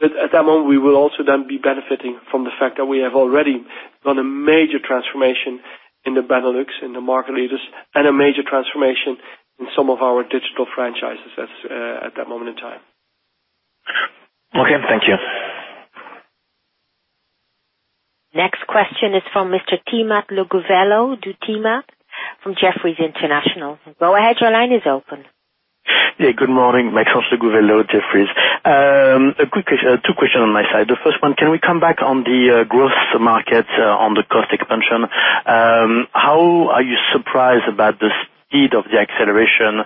At that moment, we will also then be benefiting from the fact that we have already done a major transformation in the Benelux, in the market leaders, and a major transformation in some of our digital franchises at that moment in time. Okay. Thank you. Next question is from Mr. Maxence Le Gouvello du Timat from Jefferies International. Go ahead, your line is open. Good morning. Maxence Le Gouvello du Timat, Jefferies. Two questions on my side. The first one, can we come back on the growth markets on the cost expansion? How are you surprised about the speed of the acceleration,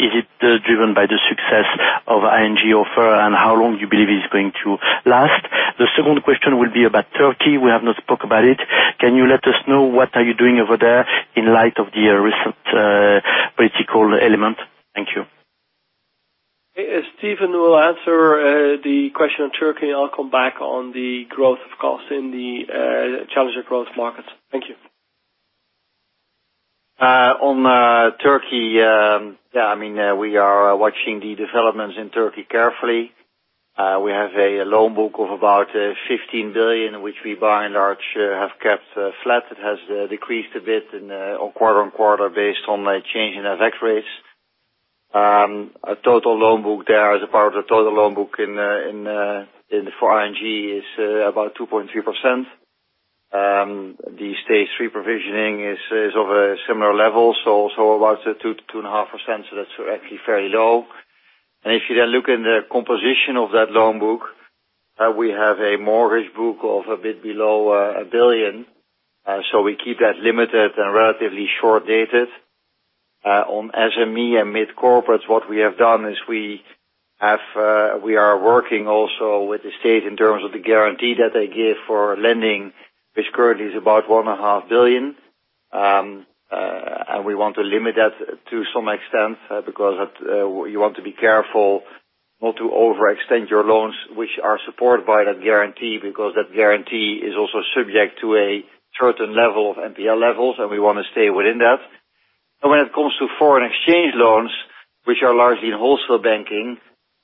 is it driven by the success of ING offer, and how long do you believe it's going to last? The second question will be about Turkey. We have not spoke about it. Can you let us know what are you doing over there in light of the recent political element? Thank you. Steven will answer the question on Turkey, I'll come back on the growth of costs in the challenger growth markets. Thank you. On Turkey, we are watching the developments in Turkey carefully. We have a loan book of about 15 billion, which we by and large have kept flat. It has decreased a bit quarter-on-quarter based on a change in our vac rates. Our total loan book there as a part of the total loan book for ING is about 2.3%. The stage 3 provisioning is of a similar level, 2%-2.5%, so that's actually very low. If you then look in the composition of that loan book, we have a mortgage book of a bit below a billion. We keep that limited and relatively short-dated. On SME and mid-corporates, what we have done is we are working also with the state in terms of the guarantee that they give for lending, which currently is about 1.5 billion. We want to limit that to some extent because you want to be careful not to overextend your loans, which are supported by that guarantee, because that guarantee is also subject to a certain level of NPL levels, and we want to stay within that. When it comes to foreign exchange loans, which are largely in wholesale banking,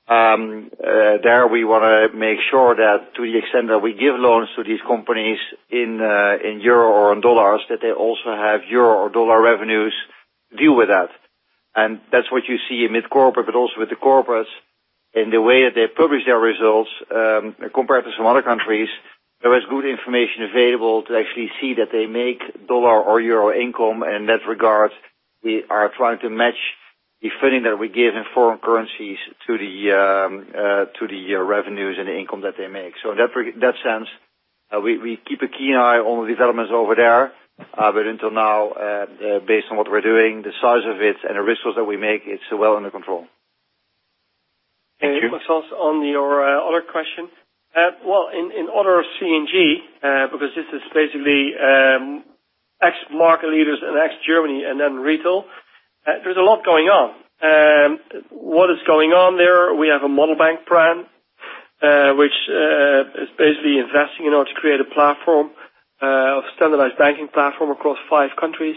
there we want to make sure that to the extent that we give loans to these companies in EUR or in USD, that they also have EUR or USD revenues to deal with that. That's what you see in mid-corporate, but also with the corporates in the way that they publish their results, compared to some other countries, there is good information available to actually see that they make USD or EUR income. In that regard, we are trying to match the funding that we give in foreign currencies to the revenues and the income that they make. In that sense, we keep a keen eye on the developments over there. Until now, based on what we're doing, the size of it and the resources that we make, it's well under control. Thank you. Also on your other question. In honor of C&GM, because this is basically ex market leaders and ex Germany and then retail, there's a lot going on. What is going on there, we have a Model Bank plan, which is basically investing in order to create a platform of standardized banking platform across five countries.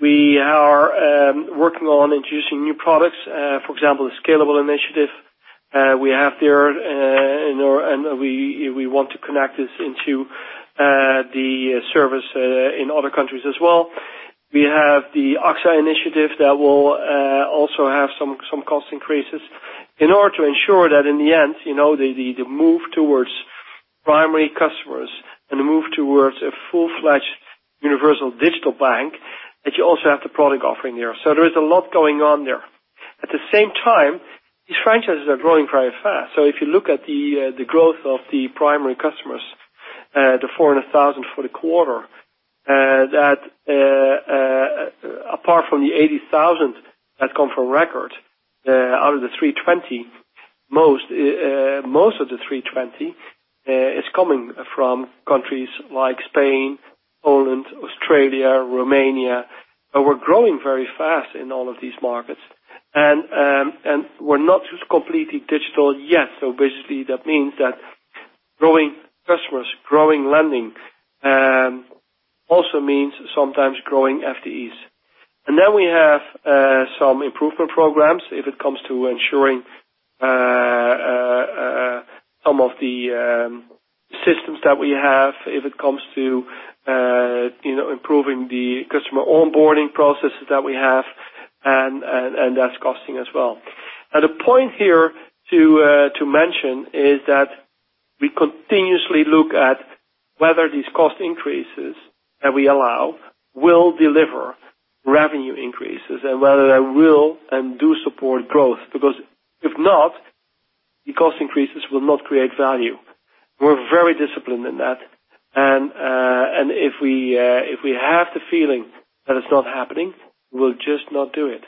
We are working on introducing new products, for example, the Scalable Capital we have there, and we want to connect this into the service in other countries as well. We have the AXA initiative that will also have some cost increases in order to ensure that in the end, the move towards primary customers and the move towards a full-fledged universal digital bank, that you also have the product offering there. There is a lot going on there. At the same time, these franchises are growing very fast. If you look at the growth of the primary customers, the 400,000 for the quarter, apart from the 80,000 that come from Record Bank, out of the 320, most of the 320 is coming from countries like Spain, Poland, Australia, Romania. We're growing very fast in all of these markets. We're not completely digital yet. That means that growing customers, growing lending, also means sometimes growing FTEs. We have some improvement programs if it comes to ensuring some of the systems that we have, if it comes to improving the customer onboarding processes that we have, and that's costing as well. The point here to mention is that we continuously look at whether these cost increases that we allow will deliver revenue increases and whether they will and do support growth. Because if not, the cost increases will not create value. We're very disciplined in that. If we have the feeling that it's not happening, we'll just not do it.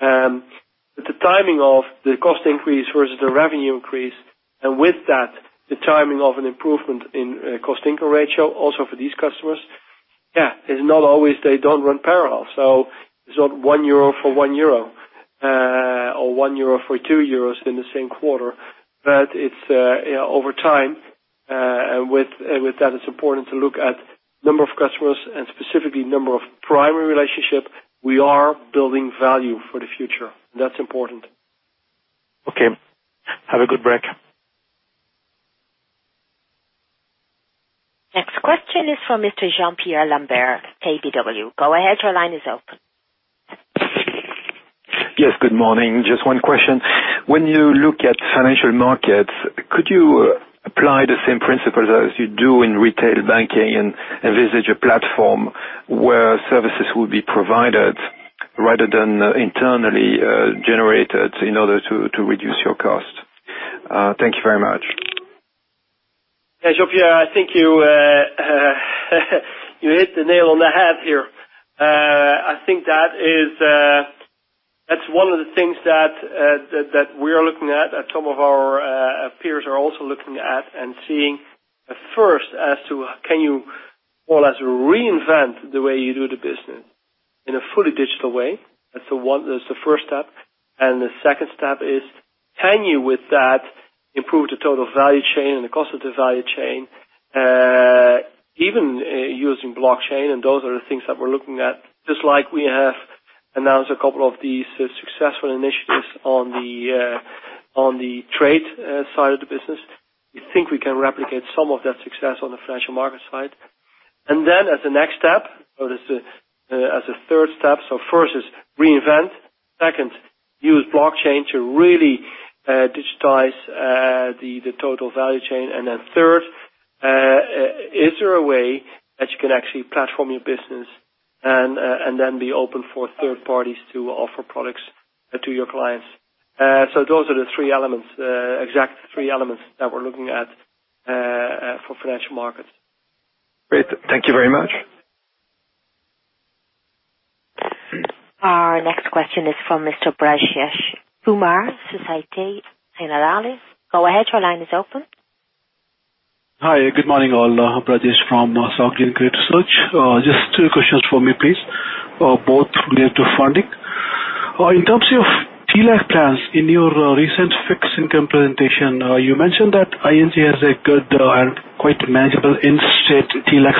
The timing of the cost increase versus the revenue increase, and with that, the timing of an improvement in cost-income ratio, also for these customers, it's not always they don't run parallel. It's not one euro for one euro or one euro for two euros in the same quarter. It's over time, and with that, it's important to look at number of customers and specifically number of primary relationships. We are building value for the future. That's important. Okay. Have a good break. Next question is from Mr. Jean-Pierre Lambert, KBW. Go ahead, your line is open. Yes, good morning. Just one question. When you look at financial markets, could you apply the same principles as you do in retail banking and envisage a platform where services will be provided rather than internally generated in order to reduce your cost? Thank you very much. Hey, Jean-Pierre, I think you hit the nail on the head here. I think that's one of the things that we are looking at, that some of our peers are also looking at and seeing at first as to can you more or less reinvent the way you do the business in a fully digital way. That's the first step. The second step is, can you with that improve the total value chain and the cost of the value chain, even using blockchain. Those are the things that we're looking at. Just like we have announced a couple of these successful initiatives on the trade side of the business, we think we can replicate some of that success on the financial market side. As the next step, or as the third step, first is reinvent, second, use blockchain to really digitize the total value chain. Third, is there a way that you can actually platform your business and then be open for third parties to offer products to your clients? Those are the three elements, exact three elements that we're looking at for financial markets. Great. Thank you very much. Our next question is from Mr. Brajesh Kumar, Société Générale. Go ahead, your line is open. Hi, good morning, all. Brajesh from Societe Generale. Just two questions for me, please, both related to funding. In terms of TLAC plans, in your recent fixed income presentation, you mentioned that ING has a good and quite manageable in-state TLAC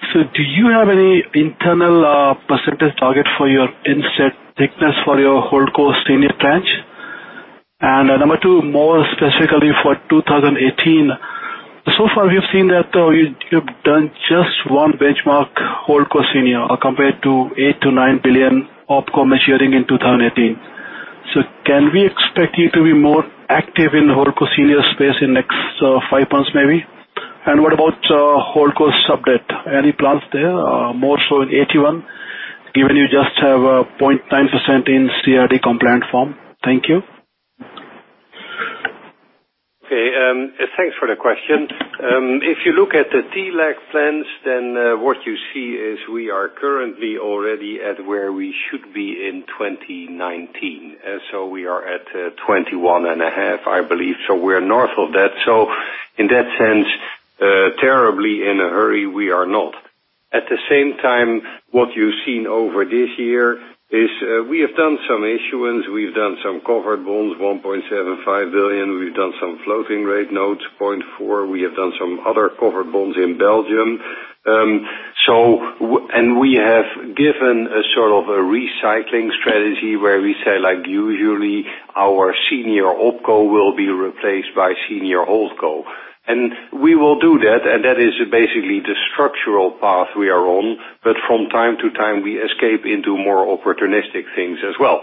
portfolio. Do you have any internal percentage target for your in-state thickness for your HoldCo senior tranche? And number two, more specifically for 2018, so far we've seen that you've done just one benchmark HoldCo senior compared to 8 billion-9 billion OpCo maturing in 2018. Can we expect you to be more active in HoldCo senior space in the next five months, maybe? And what about HoldCo subdebt? Any plans there? More so in AT1, given you just have a 0.9% in CRD compliant form. Thank you. Okay, thanks for the question. If you look at the TLAC plans, what you see is we are currently already at where we should be in 2019. We are at 21.5%, I believe. We're north of that. In that sense, terribly in a hurry, we are not. At the same time, what you've seen over this year is we have done some issuance, we've done some covered bonds, 1.75 billion, we've done some floating rate notes, 0.4 billion, we have done some other covered bonds in Belgium. We have given a sort of a recycling strategy where we say, usually our senior OpCo will be replaced by senior HoldCo. We will do that, and that is basically the structural path we are on. From time to time, we escape into more opportunistic things as well.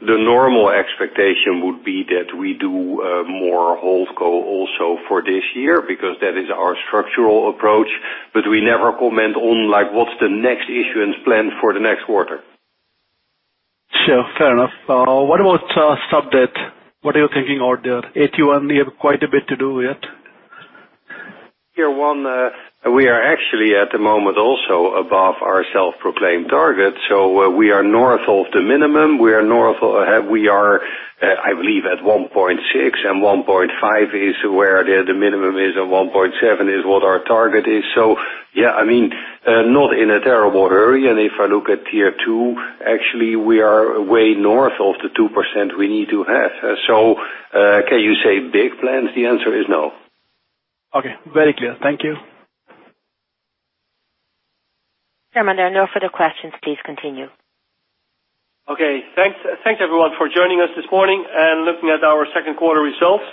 The normal expectation would be that we do more HoldCo also for this year because that is our structural approach. We never comment on what's the next issuance plan for the next quarter. Sure, fair enough. What about subdebt? What are you thinking out there? AT1, you have quite a bit to do yet. Tier 1, we are actually at the moment also above our self-proclaimed target. We are north of the minimum. We are, I believe, at 1.6, and 1.5 is where the minimum is, and 1.7 is what our target is. Yeah, not in a terrible hurry. If I look at tier 2, actually, we are way north of the 2% we need to have. Can you say big plans? The answer is no. Okay. Very clear. Thank you. Chairman, there are no further questions. Please continue. Okay. Thanks, everyone, for joining us this morning and looking at our second quarter results.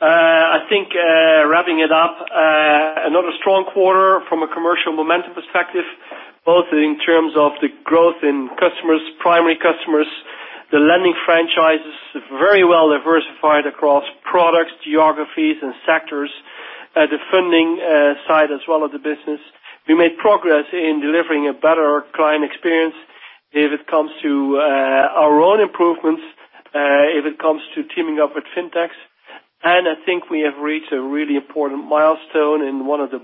I think wrapping it up, another strong quarter from a commercial momentum perspective, both in terms of the growth in primary customers. The lending franchise is very well diversified across products, geographies, and sectors at the funding side as well as the business. We made progress in delivering a better client experience if it comes to our own improvements, if it comes to teaming up with fintechs. I think we have reached a really important milestone in one of the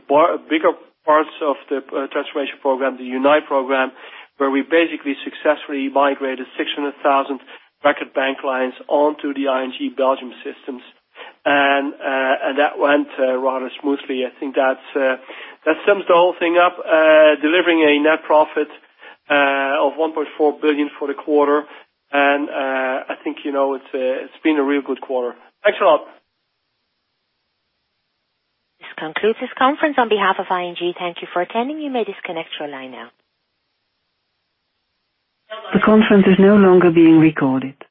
bigger parts of the transformation program, the Unite program, where we basically successfully migrated 600,000 Record Bank clients onto the ING Belgium systems. That went rather smoothly. I think that sums the whole thing up, delivering a net profit of 1.4 billion for the quarter. I think it's been a real good quarter. Thanks a lot. This concludes this conference. On behalf of ING, thank you for attending. You may disconnect your line now. The conference is no longer being recorded.